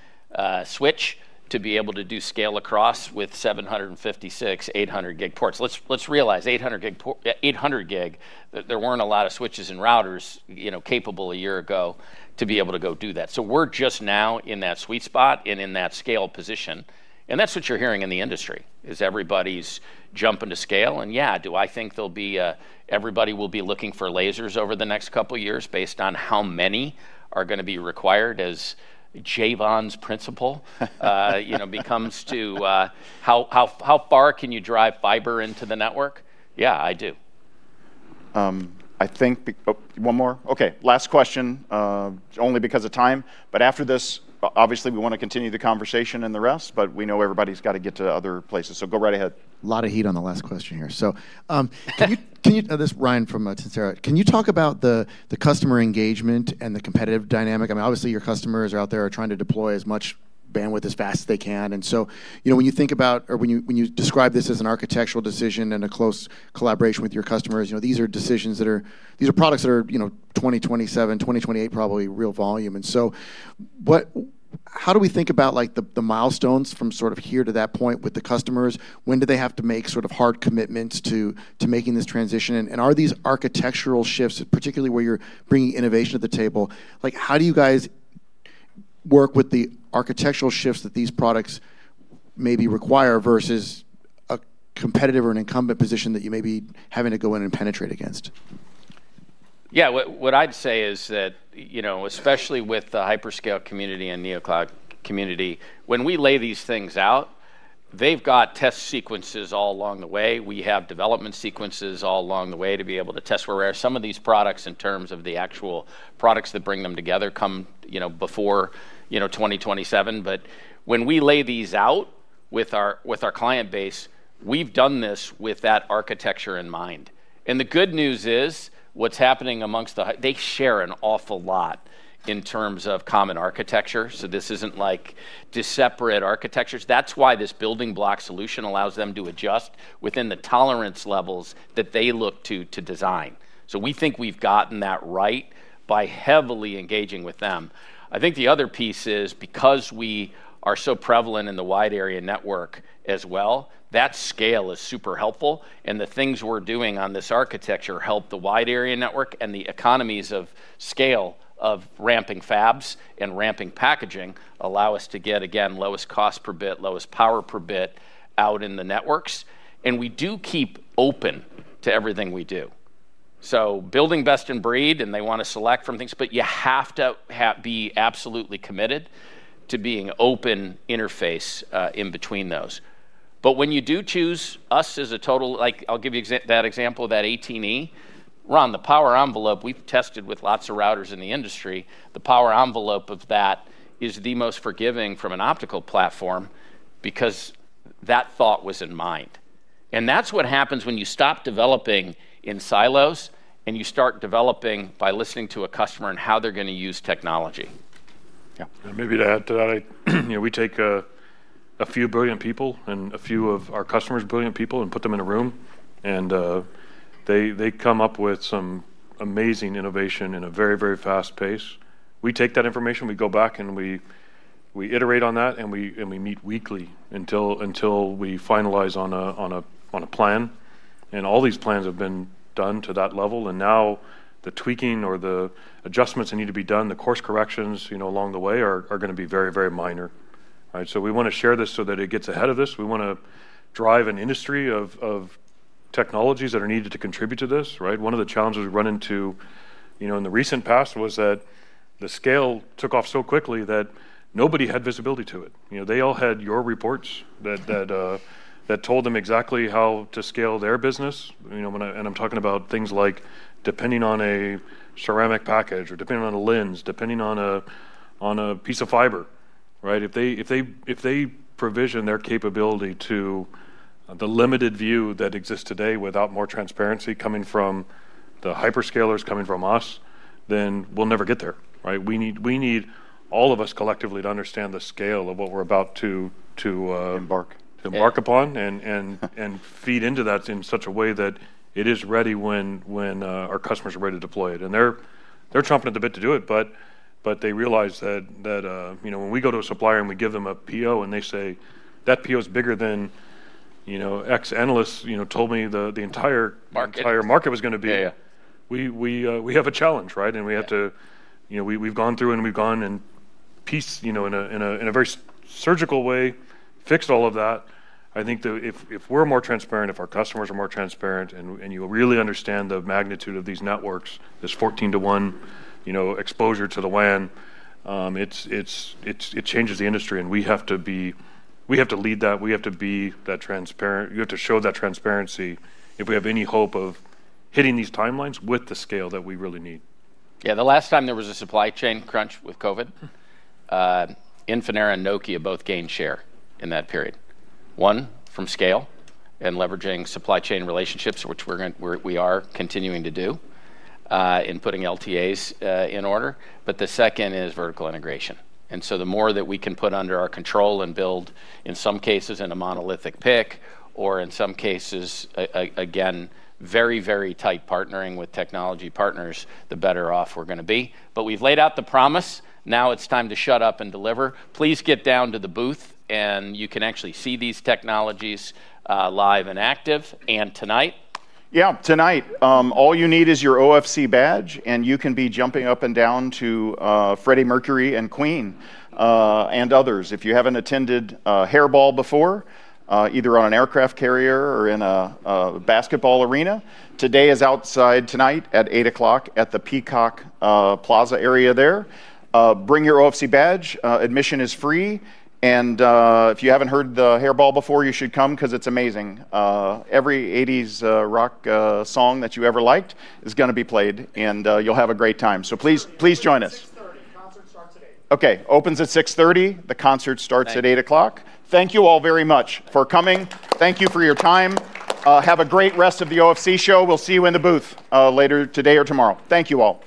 switch to be able to do scale across with 756, 800 gig ports. Let's realize, 800 gig port. Yeah, 800 gig, there weren't a lot of switches and routers, you know, capable a year ago to be able to go do that. So we're just now in that sweet spot and in that scale position, and that's what you're hearing in the industry, is everybody's jumping to scale. Yeah, do I think there'll be a. Everybody will be looking for lasers over the next couple of years based on how many are gonna be required as Jevons Paradox, you know, becomes true. How far can you drive fiber into the network? Yeah, I do.
I think one more? Okay. Last question, only because of time. After this, obviously, we wanna continue the conversation and the rest, but we know everybody's gotta get to other places. Go right ahead.
Lot of heat on the last question here. Can you... This is Ryan from. Can you talk about the customer engagement and the competitive dynamic? I mean, obviously your customers are out there trying to deploy as much bandwidth as fast as they can. You know, when you think about or when you describe this as an architectural decision and a close collaboration with your customers, you know, these are decisions that are. These are products that are, you know, 2027, 2028 probably real volume. What. How do we think about like the milestones from sort of here to that point with the customers? When do they have to make sort of hard commitments to making this transition? Are these architectural shifts, particularly where you're bringing innovation to the table, like how do you guys work with the architectural shifts that these products maybe require versus a competitive or an incumbent position that you may be having to go in and penetrate against?
Yeah. What I'd say is that, you know, especially with the hyperscale community and Neocloud community, when we lay these things out, they've got test sequences all along the way. We have development sequences all along the way to be able to test where we are. Some of these products in terms of the actual products that bring them together come, you know, before 2027. When we lay these out with our client base, we've done this with that architecture in mind. The good news is, what's happening amongst the hyperscalers. They share an awful lot in terms of common architecture. This isn't like two separate architectures. That's why this building block solution allows them to adjust within the tolerance levels that they look to design. We think we've gotten that right by heavily engaging with them. I think the other piece is because we are so prevalent in the wide area network as well, that scale is super helpful, and the things we're doing on this architecture help the wide area network and the economies of scale of ramping fabs and ramping packaging allow us to get, again, lowest cost per bit, lowest power per bit out in the networks. We do keep open to everything we do. Building best in breed, and they wanna select from things, but you have to be absolutely committed to being open interface in between those. When you do choose us as a total. Like I'll give you that example of that 18E. Ron, the power envelope, we've tested with lots of routers in the industry. The power envelope of that is the most forgiving from an optical platform because that thought was in mind. That's what happens when you stop developing in silos and you start developing by listening to a customer and how they're gonna use technology.
Yeah.
Maybe to add to that, you know, we take a few brilliant people and a few of our customers' brilliant people and put them in a room, and they come up with some amazing innovation in a very, very fast pace. We take that information, we go back, and we iterate on that, and we meet weekly until we finalize on a plan. All these plans have been done to that level, and now the tweaking or the adjustments that need to be done, the course corrections, you know, along the way are gonna be very, very minor. Right? We wanna share this so that it gets ahead of this. We wanna drive an industry of technologies that are needed to contribute to this, right? One of the challenges we've run into, you know, in the recent past was that the scale took off so quickly that nobody had visibility to it. You know, they all had your reports that told them exactly how to scale their business. You know, I'm talking about things like depending on a ceramic package or depending on a lens, depending on a piece of fiber, right? If they provision their capability to the limited view that exists today without more transparency coming from the hyperscalers, coming from us, then we'll never get there, right? We need all of us collectively to understand the scale of what we're about to.
Embark...
embark upon and feed into that in such a way that it is ready when our customers are ready to deploy it. They're chomping at the bit to do it, but they realize that you know, when we go to a supplier and we give them a PO and they say, "That PO is bigger than, you know, an analyst, you know, told me the entire-
Market...
entire market was gonna be.
Yeah, yeah.
We have a challenge, right?
Yeah.
We have to. You know, we've gone through and pieced, you know, in a very surgical way, fixed all of that. I think that if we're more transparent, if our customers are more transparent, and you really understand the magnitude of these networks, this 14 to one, you know, exposure to the WAN, it's, it changes the industry, and we have to lead that. We have to be that transparent. You have to show that transparency if we have any hope of hitting these timelines with the scale that we really need.
Yeah. The last time there was a supply chain crunch with COVID, Infinera and Nokia both gained share in that period. One, from scale and leveraging supply chain relationships, which we are continuing to do, implementing LTAs in order. The second is vertical integration. The more that we can put under our control and build, in some cases, in a monolithic PIC, or in some cases, again, very, very tight partnering with technology partners, the better off we're gonna be. We've laid out the promise. Now it's time to shut up and deliver. Please get down to the booth, and you can actually see these technologies live and active. Tonight.
Yeah. Tonight, all you need is your OFC badge, and you can be jumping up and down to Freddie Mercury and Queen, and others. If you haven't attended a Hairball before, either on an aircraft carrier or in a basketball arena, today is outside tonight at 8:00 P.M. at the Peacock Plaza area there. Bring your OFC badge. Admission is free. If you haven't heard the Hairball before, you should come 'cause it's amazing. Every eighties rock song that you ever liked is gonna be played and, you'll have a great time. Please join us. Okay. Opens at 6:30 P.M. The concert starts at 8:00 P.M. Thank you all very much for coming. Thank you for your time. Have a great rest of the OFC show. We'll see you in the booth, later today or tomorrow. Thank you all.